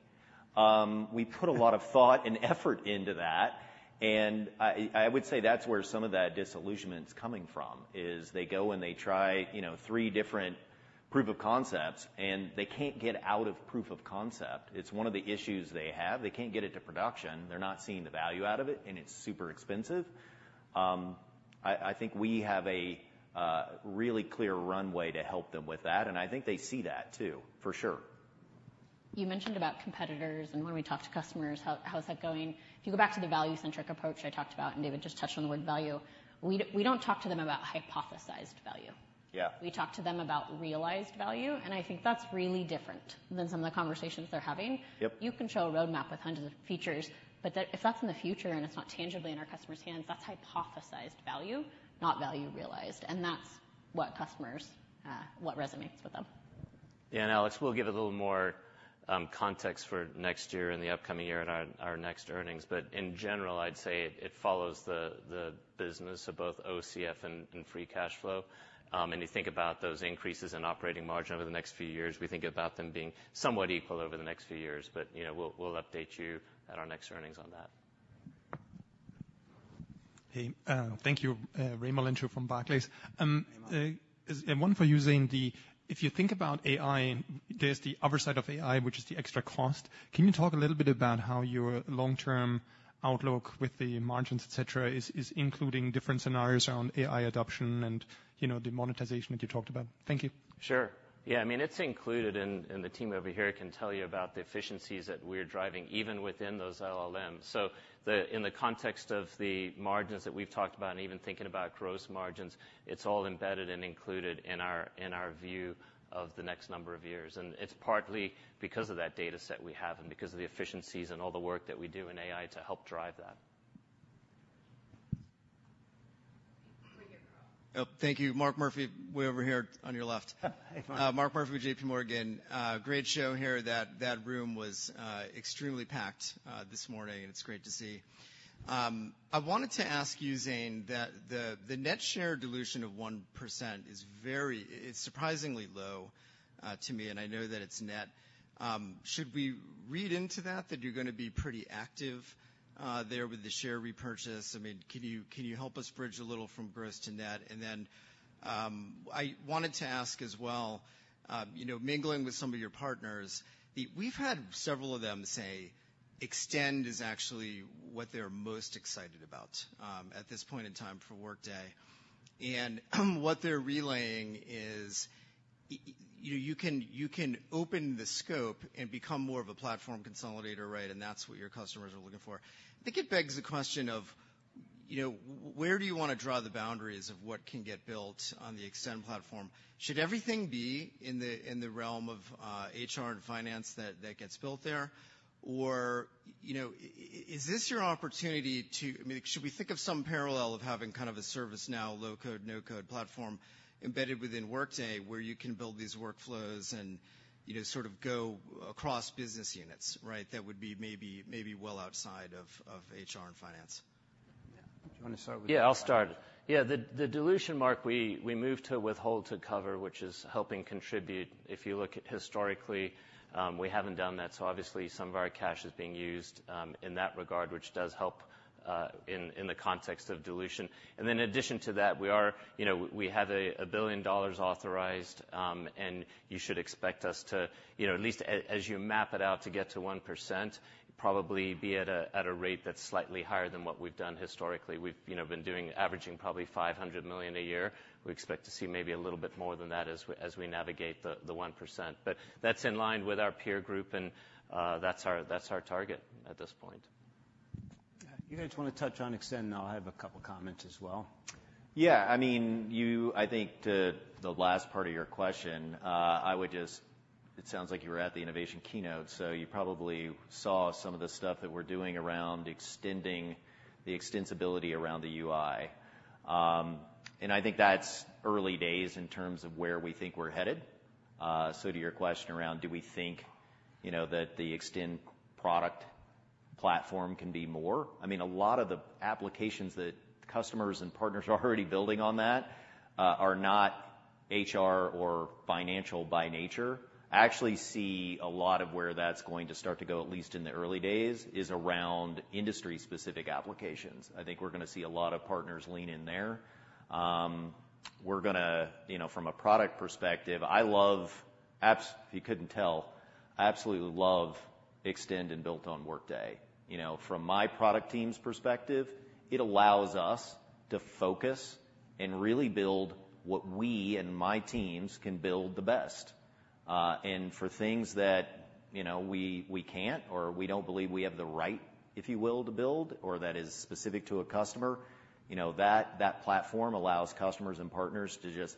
We put a lot of thought and effort into that, and I would say that's where some of that disillusionment is coming from, is they go, and they try, you know, three different proof of concepts, and they can't get out of proof of concept. It's one of the issues they have. They can't get it to production, they're not seeing the value out of it, and it's super expensive. I think we have a really clear runway to help them with that, and I think they see that, too, for sure. You mentioned about competitors and when we talk to customers, how is that going? If you go back to the value-centric approach I talked about, and David just touched on the word "value," we don't talk to them about hypothesized value. Yeah. We talk to them about realized value, and I think that's really different than some of the conversations they're having. Yep. You can show a roadmap with hundreds of features, but if that's in the future, and it's not tangibly in our customers' hands, that's hypothesized value, not value realized, and that's what customers, what resonates with them. Yeah, and Alex, we'll give a little more context for next year and the upcoming year at our next earnings. But in general, I'd say it follows the business of both OCF and free cash flow. And you think about those increases in operating margin over the next few years, we think about them being somewhat equal over the next few years. But you know, we'll update you at our next earnings on that. Hey, thank you. Raimo Lenschow from Barclays. Hey, Raimo. And one for you, Zane. If you think about AI, there's the other side of AI, which is the extra cost. Can you talk a little bit about how your long-term outlook with the margins, et cetera, is including different scenarios around AI adoption and, you know, the monetization that you talked about? Thank you. Sure. Yeah. I mean, it's included, and the team over here can tell you about the efficiencies that we're driving, even within those LLMs. So, in the context of the margins that we've talked about, and even thinking about gross margins, it's all embedded and included in our view of the next number of years, and it's partly because of that data set we have and because of the efficiencies and all the work that we do in AI to help drive that. Go ahead, Rob. Oh, thank you. Mark Murphy, way over here on your left. Hi, Mark. Mark Murphy with JPMorgan. Great show here. That room was extremely packed this morning, and it's great to see. I wanted to ask you, Zane, the net share dilution of 1% is very, it's surprisingly low to me, and I know that it's net. Should we read into that, that you're gonna be pretty active there with the share repurchase? I mean, can you help us bridge a little from gross to net? And then, I wanted to ask as well, you know, mingling with some of your partners, the, we've had several of them say Extend is actually what they're most excited about at this point in time for Workday. And what they're relaying is, you can open the scope and become more of a platform consolidator, right? That's what your customers are looking for. I think it begs the question of, you know, where do you wanna draw the boundaries of what can get built on the Extend platform? Should everything be in the realm of HR and finance that gets built there? Or, you know, is this your opportunity to... I mean, should we think of some parallel of having kind of a ServiceNow low-code, no-code platform embedded within Workday, where you can build these workflows and, you know, sort of go across business units, right? That would be maybe well outside of HR and finance. Yeah. Do you wanna start with this? Yeah, I'll start. Yeah, the dilution, Mark, we moved to withhold to cover, which is helping contribute. If you look at historically, we haven't done that, so obviously some of our cash is being used in that regard, which does help in the context of dilution. And then in addition to that, we are. You know, we have $1 billion authorized, and you should expect us to, you know, at least as you map it out, to get to 1%, probably be at a rate that's slightly higher than what we've done historically. We've, you know, been doing averaging probably $500 million a year. We expect to see maybe a little bit more than that as we navigate the 1%. But that's in line with our peer group, and that's our target at this point. You guys wanna touch on Extend? And I'll have a couple comments as well. Yeah. I mean, I think the last part of your question, I would just... It sounds like you were at the innovation keynote, so you probably saw some of the stuff that we're doing around extending the extensibility around the UI. And I think that's early days in terms of where we think we're headed. So to your question around, do we think, you know, that the Extend product platform can be more? I mean, a lot of the applications that customers and partners are already building on that are not HR or financial by nature. I actually see a lot of where that's going to start to go, at least in the early days, is around industry-specific applications. I think we're gonna see a lot of partners lean in there. We're gonna... You know, from a product perspective, if you couldn't tell, I absolutely love Extend and Built on Workday. You know, from my product team's perspective, it allows us to focus and really build what we and my teams can build the best. And for things that, you know, we can't or we don't believe we have the right, if you will, to build, or that is specific to a customer, you know, that platform allows customers and partners to just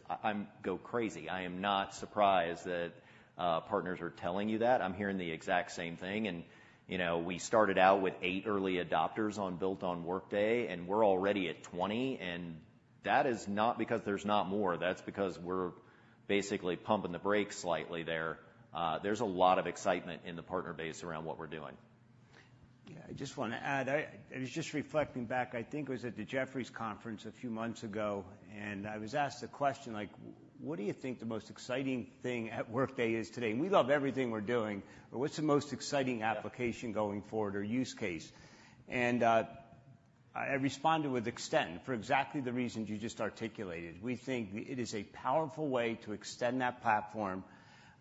go crazy. I am not surprised that partners are telling you that. I'm hearing the exact same thing. And, you know, we started out with eight early adopters on Built on Workday, and we're already at 20, and that is not because there's not more. That's because we're basically pumping the brakes slightly there. There's a lot of excitement in the partner base around what we're doing. Yeah, I just wanna add. I was just reflecting back. I think it was at the Jefferies conference a few months ago, and I was asked a question like: "What do you think the most exciting thing at Workday is today? And we love everything we're doing, but what's the most exciting application going forward or use case?" And I responded with Extend for exactly the reasons you just articulated. We think it is a powerful way to extend that platform,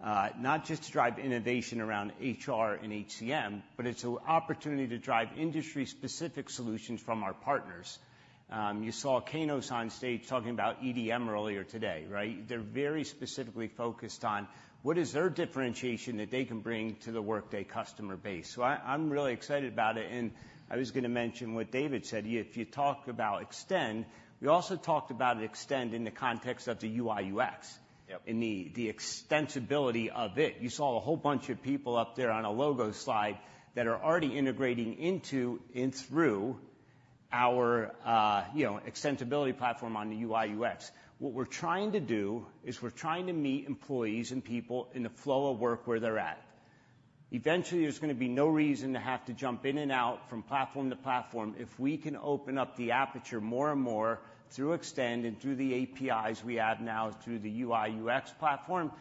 not just to drive innovation around HR and HCM, but it's an opportunity to drive industry-specific solutions from our partners. You saw Kainos on stage talking about EDM earlier today, right? They're very specifically focused on what is their differentiation that they can bring to the Workday customer base. So I'm really excited about it, and I was gonna mention what David said. If you talk about Extend, we also talked about Extend in the context of the UI/UX. Yep And the extensibility of it. You saw a whole bunch of people up there on a logo slide that are already integrating into and through our, you know, extensibility platform on the UI/UX. What we're trying to do, is we're trying to meet employees and people in the flow of work where they're at. Eventually, there's gonna be no reason to have to jump in and out from platform to platform. If we can open up the aperture more and more through Extend and through the APIs we add now through the UI/UX platform,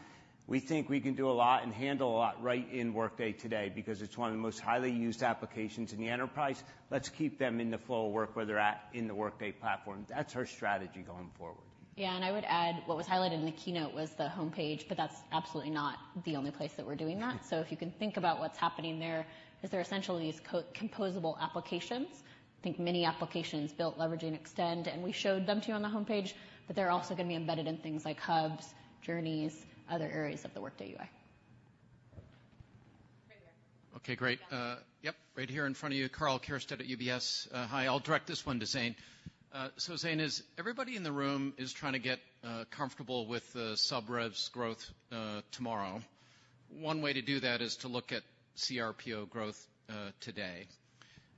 we think we can do a lot and handle a lot right in Workday today, because it's one of the most highly used applications in the enterprise. Let's keep them in the flow of work where they're at in the Workday platform. That's our strategy going forward. Yeah, and I would add, what was highlighted in the keynote was the homepage, but that's absolutely not the only place that we're doing that. So if you can think about what's happening there, is they're essentially these composable applications. Think mini applications built leveraging Extend, and we showed them to you on the homepage, but they're also gonna be embedded in things like hubs, journeys, other areas of the Workday UI. Right here. Okay, great. Yep, right here in front of you. Karl Keirstead at UBS. Hi, I'll direct this one to Zane. So, Zane, as everybody in the room is trying to get comfortable with the sub revs growth tomorrow, one way to do that is to look at CRPO growth today.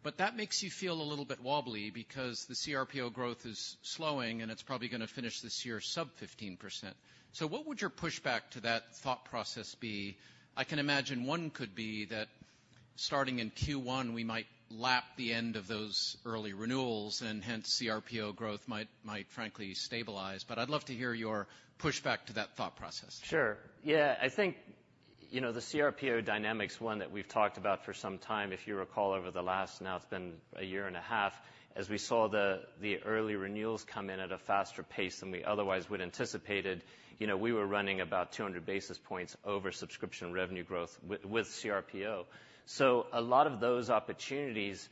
But that makes you feel a little bit wobbly because the CRPO growth is slowing, and it's probably gonna finish this year sub 15%. So what would your pushback to that thought process be? I can imagine one could be that starting in Q1, we might lap the end of those early renewals, and hence, CRPO growth might frankly stabilize. But I'd love to hear your pushback to that thought process. Sure. Yeah, I think, you know, the CRPO dynamic's one that we've talked about for some time, if you recall, over the last... now it's been a year and a half, as we saw the early renewals come in at a faster pace than we otherwise would anticipated. You know, we were running about two hundred basis points over subscription revenue growth with CRPO. So a lot of those opportunities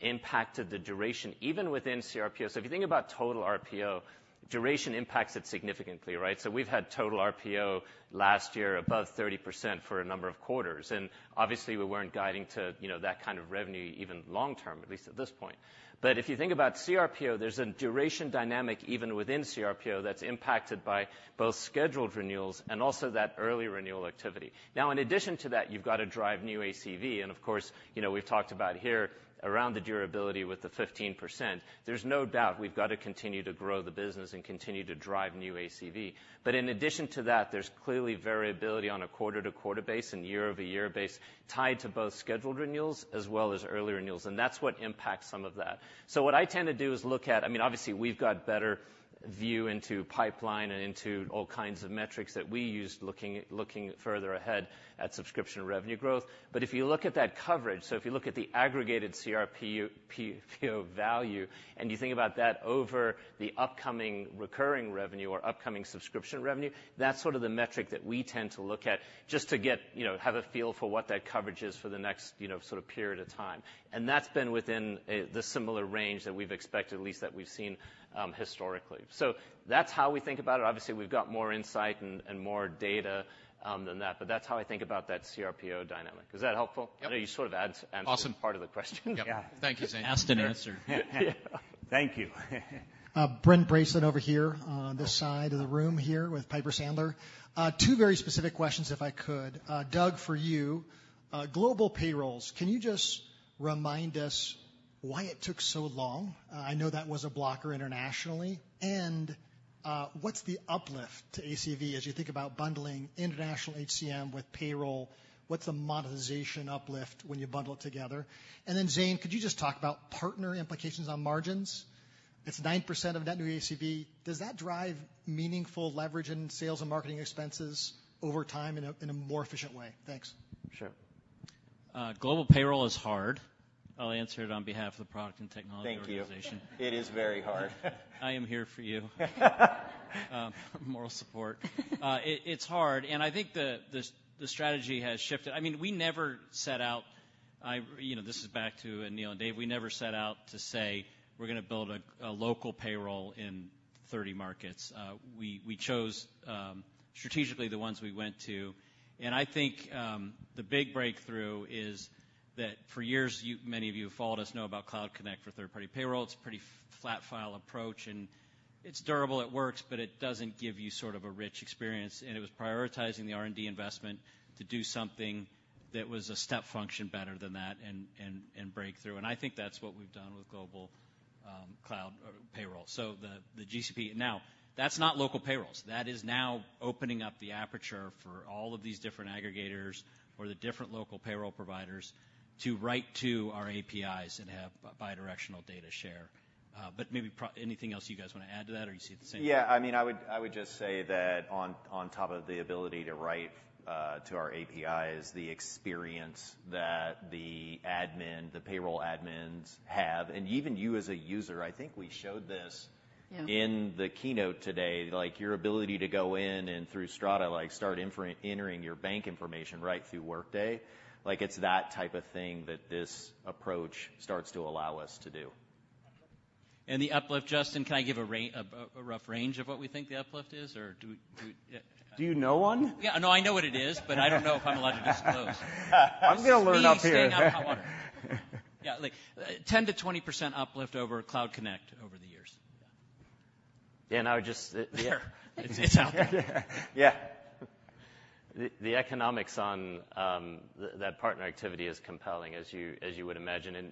impacted the duration, even within CRPO. So if you think about total RPO, duration impacts it significantly, right? So we've had total RPO last year above 30% for a number of quarters, and obviously, we weren't guiding to, you know, that kind of revenue, even long-term, at least at this point. But if you think about CRPO, there's a duration dynamic, even within CRPO, that's impacted by both scheduled renewals and also that early renewal activity. Now, in addition to that, you've got to drive new ACV, and of course, you know, we've talked about here around the durability with the 15%. There's no doubt we've got to continue to grow the business and continue to drive new ACV. But in addition to that, there's clearly variability on a quarter-to-quarter basis and year-over-year basis, tied to both scheduled renewals as well as early renewals, and that's what impacts some of that. So what I tend to do is look at, I mean, obviously, we've got better view into pipeline and into all kinds of metrics that we use, looking further ahead at subscription revenue growth. But if you look at that coverage, so if you look at the aggregated CRPO value, and you think about that over the upcoming recurring revenue or upcoming subscription revenue, that's sort of the metric that we tend to look at just to get you know, have a feel for what that coverage is for the next, you know, sort of period of time. And that's been within the similar range that we've expected, at least that we've seen, historically. So that's how we think about it. Obviously, we've got more insight and more data than that, but that's how I think about that CRPO dynamic. Is that helpful? Yep. You sort of add- Awesome. Answered part of the question. Yep. Thank you, Zane. Asked and answered. Thank you. Brent Bracelin over here, on this side of the room here with Piper Sandler. Two very specific questions, if I could. Doug, for you, global payrolls, can you just remind us why it took so long? I know that was a blocker internationally. And, what's the uplift to ACV as you think about bundling international HCM with payroll? What's the monetization uplift when you bundle it together? And then, Zane, could you just talk about partner implications on margins? It's 9% of net new ACV. Does that drive meaningful leverage in sales and marketing expenses over time in a more efficient way? Thanks. Sure. Global payroll is hard. I'll answer it on behalf of the product and technology organization. Thank you. It is very hard. I am here for you. Moral support. It's hard, and I think the strategy has shifted. I mean, we never set out... you know, this is back to Aneel and Dave, we never set out to say we're gonna build a local payroll in 30 markets. We chose strategically the ones we went to, and I think the big breakthrough is that for years, many of you who followed us know about Cloud Connect for third-party payroll. It's a pretty flat file approach, and it's durable, it works, but it doesn't give you sort of a rich experience, and it was prioritizing the R&D investment to do something that was a step function better than that and breakthrough, and I think that's what we've done with Global Cloud Payroll. So the GCP... Now, that's not local payrolls. That is now opening up the aperture for all of these different aggregators or the different local payroll providers to write to our APIs and have bidirectional data share. But maybe anything else you guys want to add to that, or you see the same? Yeah, I mean, I would just say that on top of the ability to write to our APIs, the experience that the admin, the payroll admins have, and even you as a user, I think we showed this- Yeah In the keynote today. Like, your ability to go in and through Strada, like, start entering your bank information right through Workday, like, it's that type of thing that this approach starts to allow us to do. And the uplift, Justin, can I give a range, a rough range of what we think the uplift is? Or do... Do you know one? Yeah. No, I know what it is, but I don't know if I'm allowed to disclose. I'm gonna learn up here now. Based on how long. Yeah, like, 10%-20% uplift over Cloud Connect over the years. Yeah, and I would just, yeah. It's out there. Yeah. The economics on, the, that partner activity is compelling, as you would imagine, and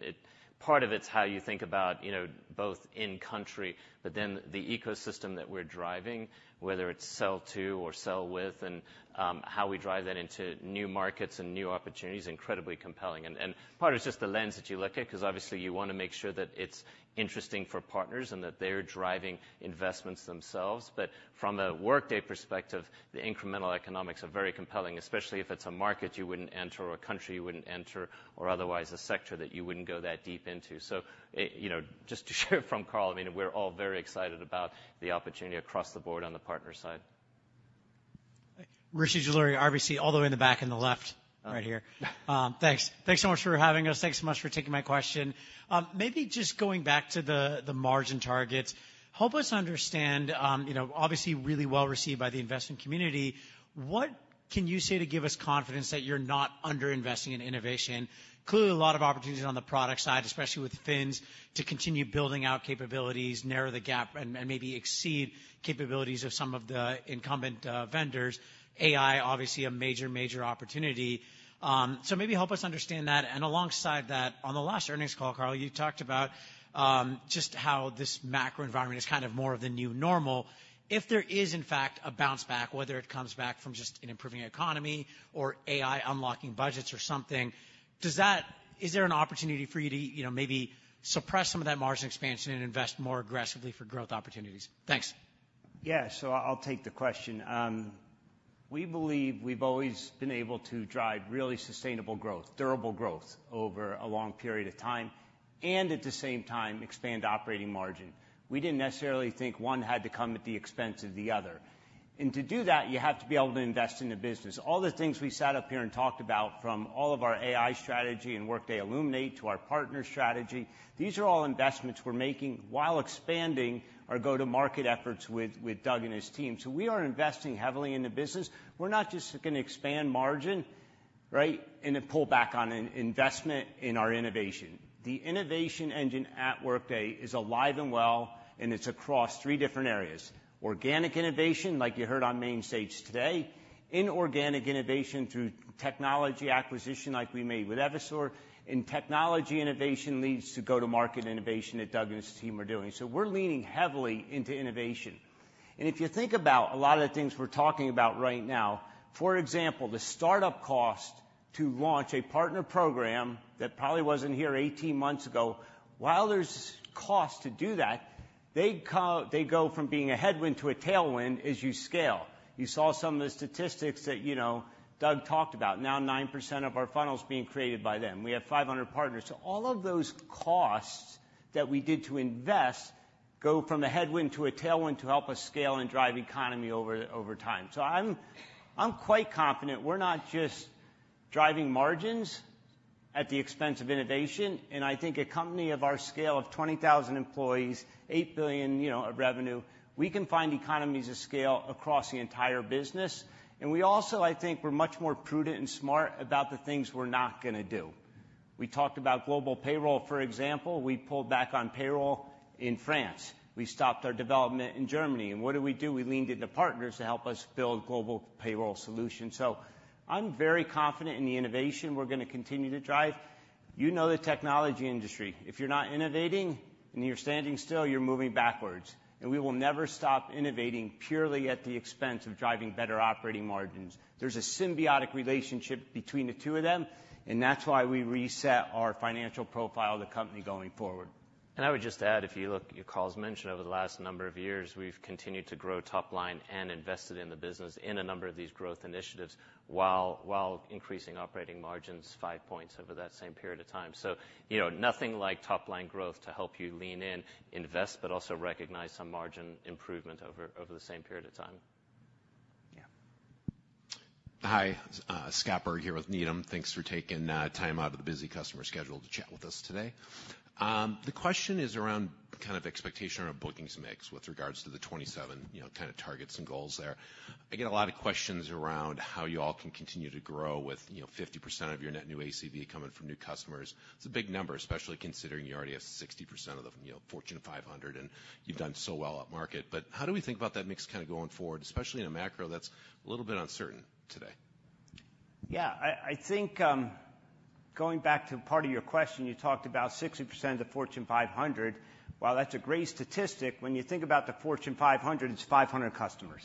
part of it's how you think about, you know, both in country, but then the ecosystem that we're driving, whether it's sell to or sell with, and, how we drive that into new markets and new opportunities, incredibly compelling. And part of it's just the lens that you look at, 'cause obviously, you wanna make sure that it's interesting for partners and that they're driving investments themselves. But from a Workday perspective, the incremental economics are very compelling, especially if it's a market you wouldn't enter, or a country you wouldn't enter, or otherwise, a sector that you wouldn't go that deep into. You know, just to share from Carl, I mean, we're all very excited about the opportunity across the board on the partner side. Rishi Jaluri, RBC, all the way in the back on the left, right here. Yeah. Thanks. Thanks so much for having us. Thanks so much for taking my question. Maybe just going back to the margin targets, help us understand, you know, obviously, really well-received by the investment community, what can you say to give us confidence that you're not underinvesting in innovation? Clearly, a lot of opportunities on the product side, especially with Fins, to continue building out capabilities, narrow the gap, and maybe exceed capabilities of some of the incumbent vendors. AI, obviously a major, major opportunity. So maybe help us understand that. And alongside that, on the last earnings call, Carl, you talked about just how this macro environment is kind of more of the new normal. If there is, in fact, a bounce back, whether it comes back from just an improving economy or AI unlocking budgets or something, is there an opportunity for you to, you know, maybe suppress some of that margin expansion and invest more aggressively for growth opportunities? Thanks. Yeah. So I'll take the question. We believe we've always been able to drive really sustainable growth, durable growth, over a long period of time, and at the same time, expand operating margin. We didn't necessarily think one had to come at the expense of the other, and to do that, you have to be able to invest in the business. All the things we sat up here and talked about, from all of our AI strategy and Workday Illuminate, to our partner strategy, these are all investments we're making while expanding our go-to-market efforts with Doug and his team. So we are investing heavily in the business. We're not just gonna expand margin, right, and then pull back on investment in our innovation. The innovation engine at Workday is alive and well, and it's across three different areas: organic innovation, like you heard on main stage today, inorganic innovation through technology acquisition, like we made with Evisort, and technology innovation leads to go-to-market innovation that Doug and his team are doing. So we're leaning heavily into innovation. And if you think about a lot of the things we're talking about right now, for example, the startup cost to launch a partner program that probably wasn't here eighteen months ago, while there's costs to do that, they go from being a headwind to a tailwind as you scale. You saw some of the statistics that, you know, Doug talked about. Now 9% of our funnel is being created by them. We have 500 partners. So all of those costs that we did to invest go from a headwind to a tailwind to help us scale and drive economy over time. I'm quite confident we're not just driving margins at the expense of innovation, and I think a company of our scale, of 20,000 employees, $8 billion of revenue, we can find economies of scale across the entire business. We're much more prudent and smart about the things we're not gonna do. We talked about global payroll, for example. We pulled back on payroll in France. We stopped our development in Germany. What did we do? We leaned into partners to help us build global payroll solutions. I'm very confident in the innovation we're gonna continue to drive. You know the technology industry. If you're not innovating and you're standing still, you're moving backwards, and we will never stop innovating purely at the expense of driving better operating margins. There's a symbiotic relationship between the two of them, and that's why we reset our financial profile of the company going forward. I would just add, if you look, Carl's mentioned over the last number of years, we've continued to grow top line and invested in the business in a number of these growth initiatives, while increasing operating margins five points over that same period of time. You know, nothing like top-line growth to help you lean in, invest, but also recognize some margin improvement over the same period of time. Yeah. Hi, Scott Berg here with Needham. Thanks for taking time out of the busy customer schedule to chat with us today. The question is around kind of expectation around bookings mix with regards to the 2027, you know, kind of targets and goals there. I get a lot of questions around how you all can continue to grow with, you know, 50% of your net new ACV coming from new customers. It's a big number, especially considering you already have 60% of the, you know, Fortune 500, and you've done so well at market. But how do we think about that mix kind of going forward, especially in a macro that's a little bit uncertain today? Yeah. I think, going back to part of your question, you talked about 60% of the Fortune 500. While that's a great statistic, when you think about the Fortune 500, it's 500 customers.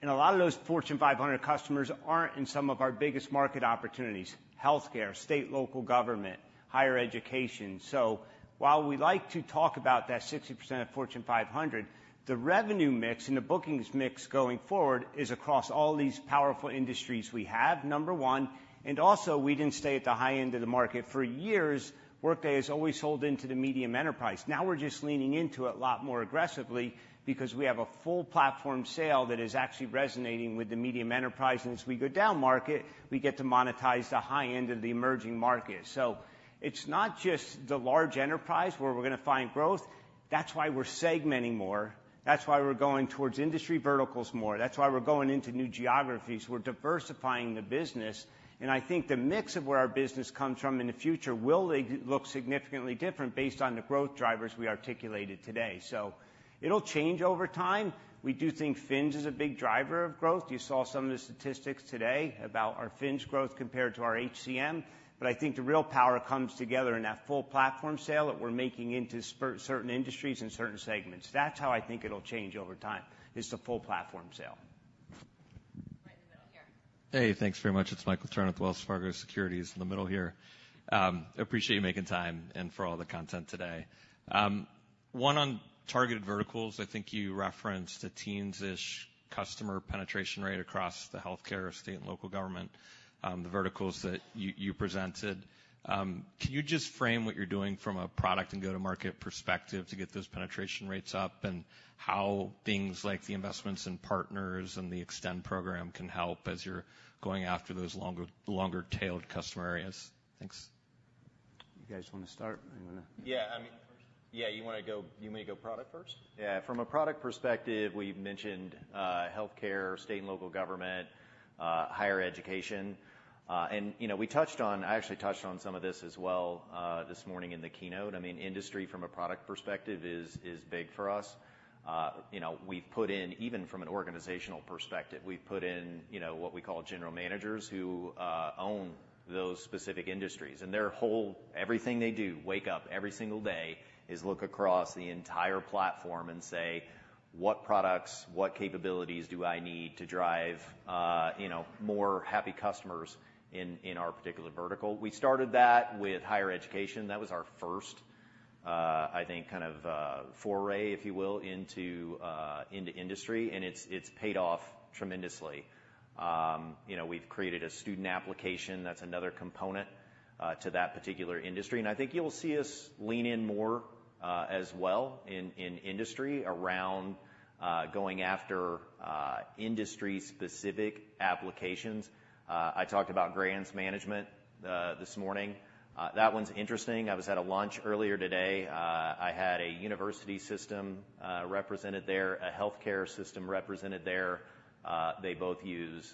And a lot of those Fortune 500 customers aren't in some of our biggest market opportunities: healthcare, state, local government, higher education. So while we like to talk about that 60% of Fortune 500, the revenue mix and the bookings mix going forward is across all these powerful industries we have, number one, and also, we didn't stay at the high end of the market. For years, Workday has always sold into the medium enterprise. Now we're just leaning into it a lot more aggressively because we have a full platform sale that is actually resonating with the medium enterprise, and as we go down market, we get to monetize the high end of the emerging market. So it's not just the large enterprise where we're gonna find growth. That's why we're segmenting more. That's why we're going towards industry verticals more. That's why we're going into new geographies. We're diversifying the business, and I think the mix of where our business comes from in the future will look significantly different based on the growth drivers we articulated today. So it'll change over time. We do think Fins is a big driver of growth. You saw some of the statistics today about our Fins growth compared to our HCM, but I think the real power comes together in that full platform sale that we're making into certain industries and certain segments. That's how I think it'll change over time, is the full platform sale. Hey, thanks very much. It's Michael Turrin, Wells Fargo Securities in the middle here. Appreciate you making time and for all the content today. One, on targeted verticals, I think you referenced a teens-ish customer penetration rate across the healthcare, state, and local government, the verticals that you, you presented. Can you just frame what you're doing from a product and go-to-market perspective to get those penetration rates up? And how things like the investments in partners and the Extend program can help as you're going after those longer, longer-tailed customer areas? Thanks. You guys wanna start? I'm gonna- Yeah, I mean... First. Yeah, you want me to go product first? Yeah, from a product perspective, we've mentioned healthcare, state and local government, higher education. And, you know, we touched on... I actually touched on some of this as well this morning in the keynote. I mean, industry from a product perspective is big for us. You know, we've put in, even from an organizational perspective, we've put in, you know, what we call general managers, who own those specific industries. And everything they do, wake up every single day, is look across the entire platform and say, "What products, what capabilities do I need to drive, you know, more happy customers in our particular vertical?" We started that with higher education. That was our first, I think, kind of, foray, if you will, into industry, and it's paid off tremendously. You know, we've created a student application that's another component to that particular industry, and I think you'll see us lean in more, as well in industry around going after industry-specific applications. I talked about grants management this morning. That one's interesting. I was at a lunch earlier today. I had a university system represented there, a healthcare system represented there. They both use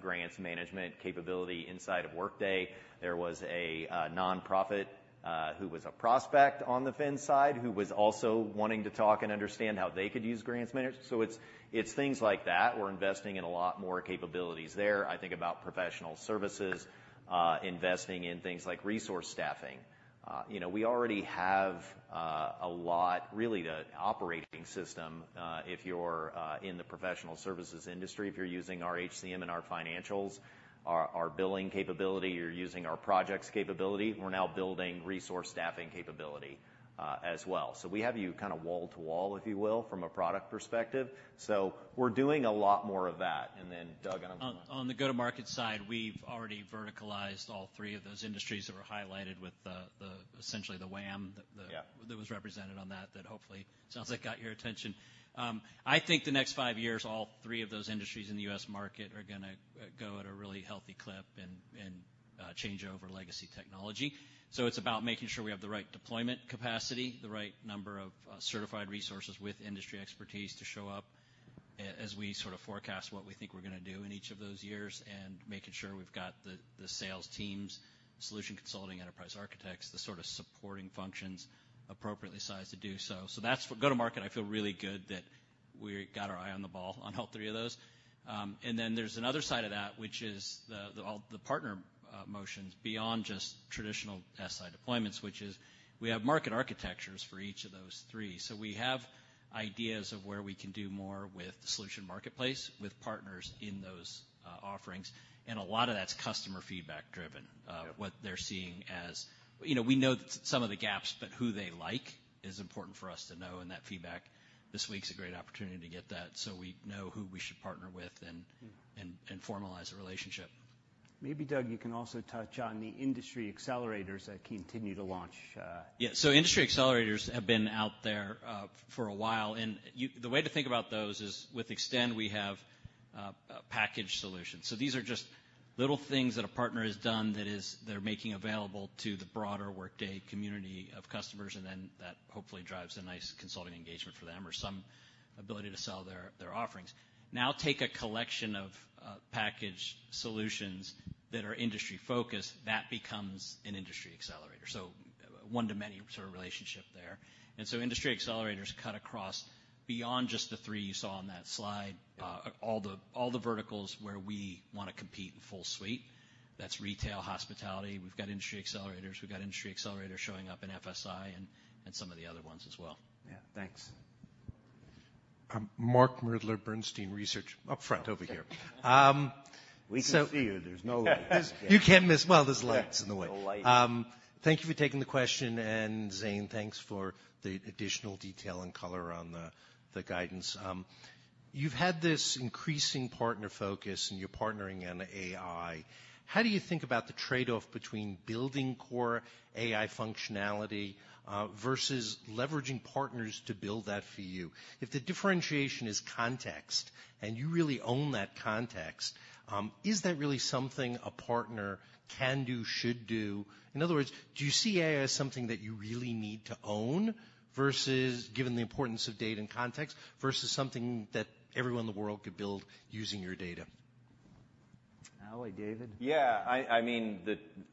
grants management capability inside of Workday. There was a nonprofit who was a prospect on the fin side, who was also wanting to talk and understand how they could use grants management. So it's things like that. We're investing in a lot more capabilities there. I think about professional services, investing in things like resource staffing. You know, we already have a lot. Really, the operating system, if you're in the professional services industry, if you're using our HCM and our financials, our billing capability, you're using our projects capability, we're now building resource staffing capability, as well. So we have you kind of wall to wall, if you will, from a product perspective, so we're doing a lot more of that. And then, Doug, I don't know- On the go-to-market side, we've already verticalized all three of those industries that were highlighted with essentially the TAM, the- Yeah That was represented on that, that hopefully sounds like got your attention. I think the next five years, all three of those industries in the U.S. market are gonna go at a really healthy clip and change over legacy technology. So it's about making sure we have the right deployment capacity, the right number of certified resources with industry expertise to show up, as we sort of forecast what we think we're gonna do in each of those years, and making sure we've got the sales teams, solution consulting, enterprise architects, the sort of supporting functions, appropriately sized to do so. So that's for go-to-market, I feel really good that we got our eye on the ball on all three of those. And then there's another side of that, which is all the partner motions beyond just traditional SI deployments, which is we have market architectures for each of those three. So we have ideas of where we can do more with the solution marketplace, with partners in those offerings, and a lot of that's customer feedback driven. Yeah. What they're seeing as... You know, we know some of the gaps, but who they like is important for us to know, and that feedback, this week's a great opportunity to get that, so we know who we should partner with and formalize the relationship. Maybe, Doug, you can also touch on the industry accelerators that continue to launch. Yeah. So industry accelerators have been out there for a while, and you... The way to think about those is, with Extend, we have a packaged solution. So these are just little things that a partner has done that is - they're making available to the broader Workday community of customers, and then that hopefully drives a nice consulting engagement for them, or some ability to sell their offerings. Now, take a collection of packaged solutions that are industry-focused, that becomes an industry accelerator, so one to many sort of relationship there. And so industry accelerators cut across beyond just the three you saw on that slide. Yeah. All the verticals where we wanna compete in full suite. That's retail, hospitality. We've got industry accelerators showing up in FSI and some of the other ones as well. Yeah. Thanks. Mark Moerdler, Bernstein Research. Up front, over here. We can see you. There's no light. You can't miss... Well, there's lights in the way. The light. Thank you for taking the question, and Zane, thanks for the additional detail and color on the guidance. You've had this increasing partner focus, and you're partnering in AI. How do you think about the trade-off between building core AI functionality versus leveraging partners to build that for you? If the differentiation is context, and you really own that context, is that really something a partner can do, should do? In other words, do you see AI as something that you really need to own versus, given the importance of data and context, versus something that everyone in the world could build using your data? Howie, David? Yeah. I mean,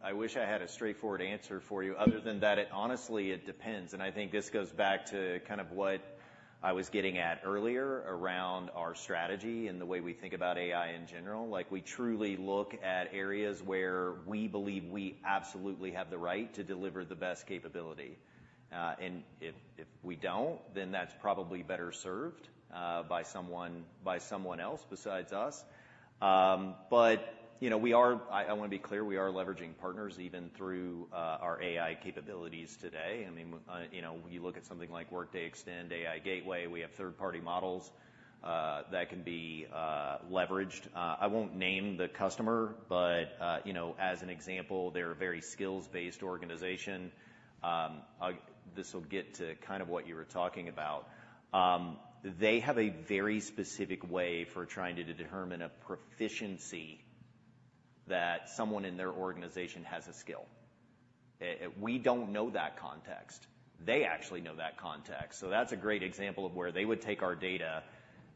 I wish I had a straightforward answer for you. Other than that, it honestly, it depends, and I think this goes back to kind of what I was getting at earlier around our strategy and the way we think about AI in general. Like, we truly look at areas where we believe we absolutely have the right to deliver the best capability. And if we don't, then that's probably better served by someone else besides us. But, you know, we are. I wanna be clear, we are leveraging partners even through our AI capabilities today. I mean, you know, when you look at something like Workday Extend, AI Gateway, we have third-party models that can be leveraged. I won't name the customer, but, you know, as an example, they're a very skills-based organization. This will get to kind of what you were talking about. They have a very specific way for trying to determine a proficiency that someone in their organization has a skill. We don't know that context. They actually know that context. So that's a great example of where they would take our data,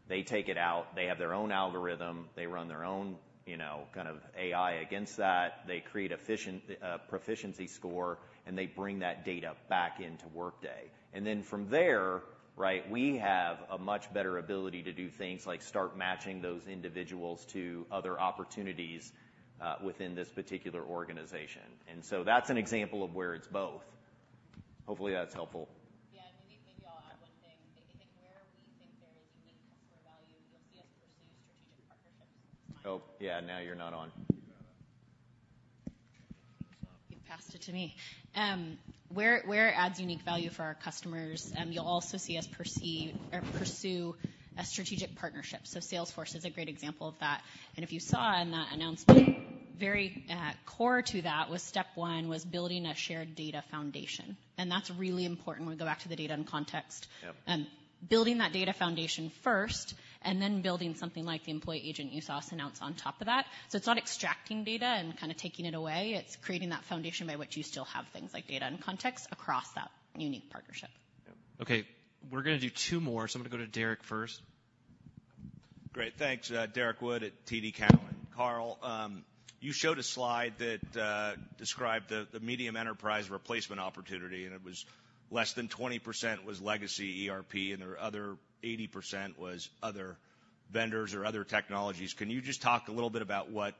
they take it out, they have their own algorithm, they run their own, you know, kind of AI against that, they create efficient proficiency score, and they bring that data back into Workday. Then from there, right, we have a much better ability to do things like start matching those individuals to other opportunities, within this particular organization. So that's an example of where it's both. Hopefully, that's helpful. Yeah. Maybe, maybe I'll add one thing. I think where we think there is unique customer value, you'll see us pursue strategic partnerships. Oh, yeah, now you're not on. You passed it to me. Where it adds unique value for our customers, you'll also see us perceive or pursue a strategic partnership. Salesforce is a great example of that. If you saw in that announcement, very core to that was step one, building a shared data foundation, and that's really important. We go back to the data and context. Yep. Building that data foundation first, and then building something like the employee agent you saw us announce on top of that. So it's not extracting data and kinda taking it away. It's creating that foundation by which you still have things like data and context across that unique partnership. Yep. Okay, we're gonna do two more, so I'm gonna go to Derek first. Great, thanks. Derek Wood at TD Cowen. Karl, you showed a slide that described the medium enterprise replacement opportunity, and it was less than 20% was legacy ERP, and the other 80% was other vendors or other technologies. Can you just talk a little bit about what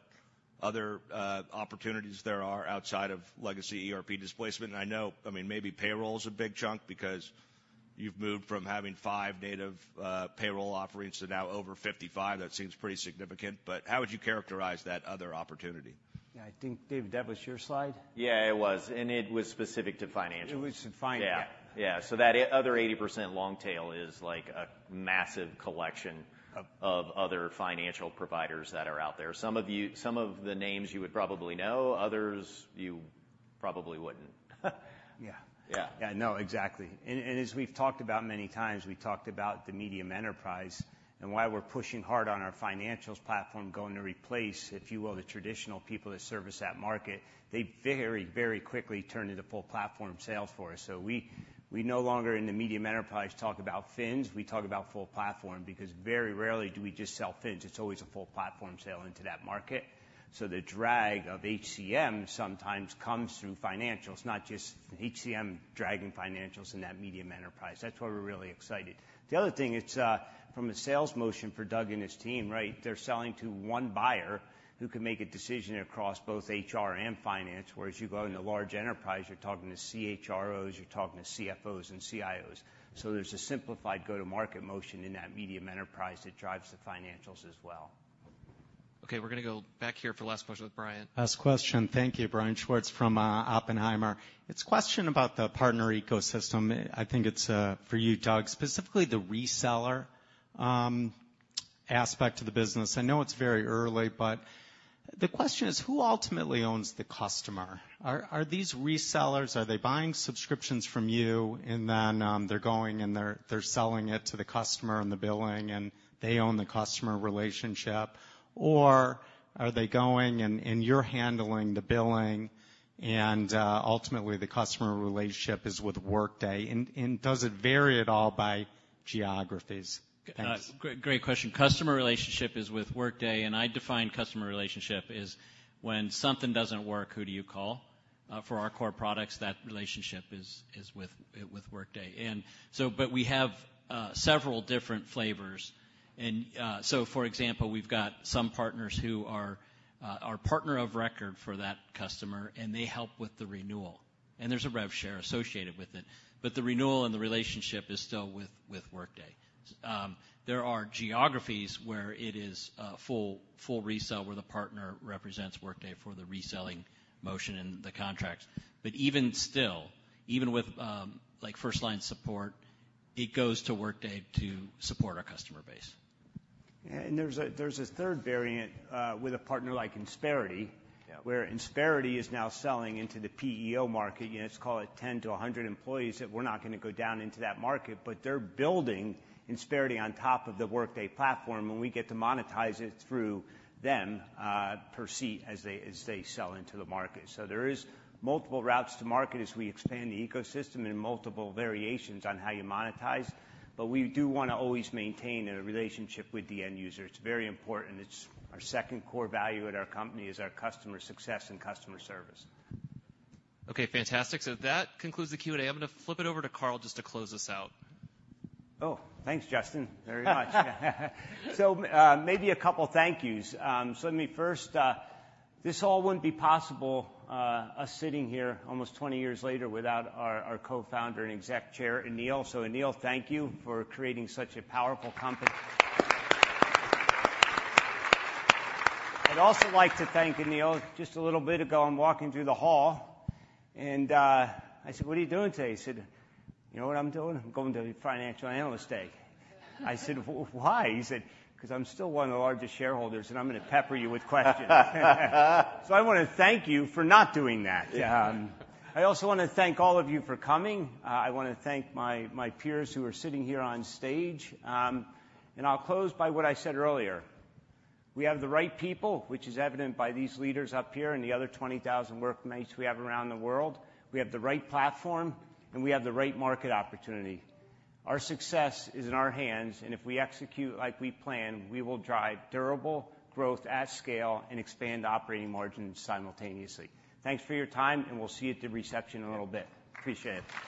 other opportunities there are outside of legacy ERP displacement? And I know, I mean, maybe payroll is a big chunk because you've moved from having five native payroll offerings to now over fifty-five. That seems pretty significant. But how would you characterize that other opportunity? Yeah, I think, David, that was your slide? Yeah, it was, and it was specific to financials. It was to finance. Yeah. Yeah. So that other 80% long tail is like a massive collection- Of- of other financial providers that are out there. Some of the names you would probably know, others you probably wouldn't. Yeah. Yeah. Yeah, no, exactly. And, and as we've talked about many times, we talked about the medium enterprise and why we're pushing hard on our financials platform, going to replace, if you will, the traditional people that service that market. They very, very quickly turn into full platform sales for us. So we, we no longer, in the medium enterprise, talk about fins, we talk about full platform, because very rarely do we just sell fins. It's always a full platform sale into that market. So the drag of HCM sometimes comes through financials, not just HCM dragging financials in that medium enterprise. That's why we're really excited. The other thing, it's from a sales motion for Doug and his team, right? They're selling to one buyer who can make a decision across both HR and finance, whereas you go into large enterprise, you're talking to CHROs, you're talking to CFOs and CIOs. So there's a simplified go-to-market motion in that medium enterprise that drives the financials as well. Okay, we're gonna go back here for the last question with Brian. Last question. Thank you. Brian Schwartz from Oppenheimer. It's a question about the partner ecosystem. I think it's for you, Doug. Specifically, the reseller aspect of the business. I know it's very early, but the question is, who ultimately owns the customer? Are these resellers buying subscriptions from you, and then they're going and they're selling it to the customer and the billing, and they own the customer relationship? Or are they going and you're handling the billing, and ultimately, the customer relationship is with Workday? And does it vary at all by geographies? Thanks. Great, great question. Customer relationship is with Workday, and I define customer relationship is when something doesn't work, who do you call? For our core products, that relationship is with Workday. But we have several different flavors. For example, we've got some partners who are our partner of record for that customer, and they help with the renewal, and there's a rev share associated with it, but the renewal and the relationship is still with Workday. There are geographies where it is a full resell, where the partner represents Workday for the reselling motion and the contracts. But even still, with like first-line support, it goes to Workday to support our customer base. Yeah, and there's a third variant with a partner like Insperity. Yeah... where Insperity is now selling into the PEO market, and let's call it 10-100 employees, that we're not gonna go down into that market, but they're building Insperity on top of the Workday platform, and we get to monetize it through them, per seat as they sell into the market. So there is multiple routes to market as we expand the ecosystem and multiple variations on how you monetize, but we do wanna always maintain a relationship with the end user. It's very important. It's our second core value at our company, is our customer success and customer service. Okay, fantastic. So that concludes the Q&A. I'm gonna flip it over to Carl just to close this out. Oh, thanks, Justin, very much. So, maybe a couple thank yous. So let me first. This all wouldn't be possible, us sitting here almost 20 years later, without our co-founder and exec chair, Aneel. So, Aneel, thank you for creating such a powerful company. I'd also like to thank Aneel. Just a little bit ago, I'm walking through the hall and, I said: "What are you doing today?" He said, "You know what I'm doing? I'm going to the Financial Analyst Day." I said, "Why?" He said, "'Cause I'm still one of the largest shareholders, and I'm pepper you with questions." So I wanna thank you for not doing that. Yeah. I also wanna thank all of you for coming. I wanna thank my peers who are sitting here on stage. I'll close by what I said earlier: We have the right people, which is evident by these leaders up here and the other 20,000 Workmates we have around the world. We have the right platform, and we have the right market opportunity. Our success is in our hands, and if we execute like we plan, we will drive durable growth at scale and expand operating margins simultaneously. Thanks for your time, and we'll see you at the reception in a little bit. Appreciate it.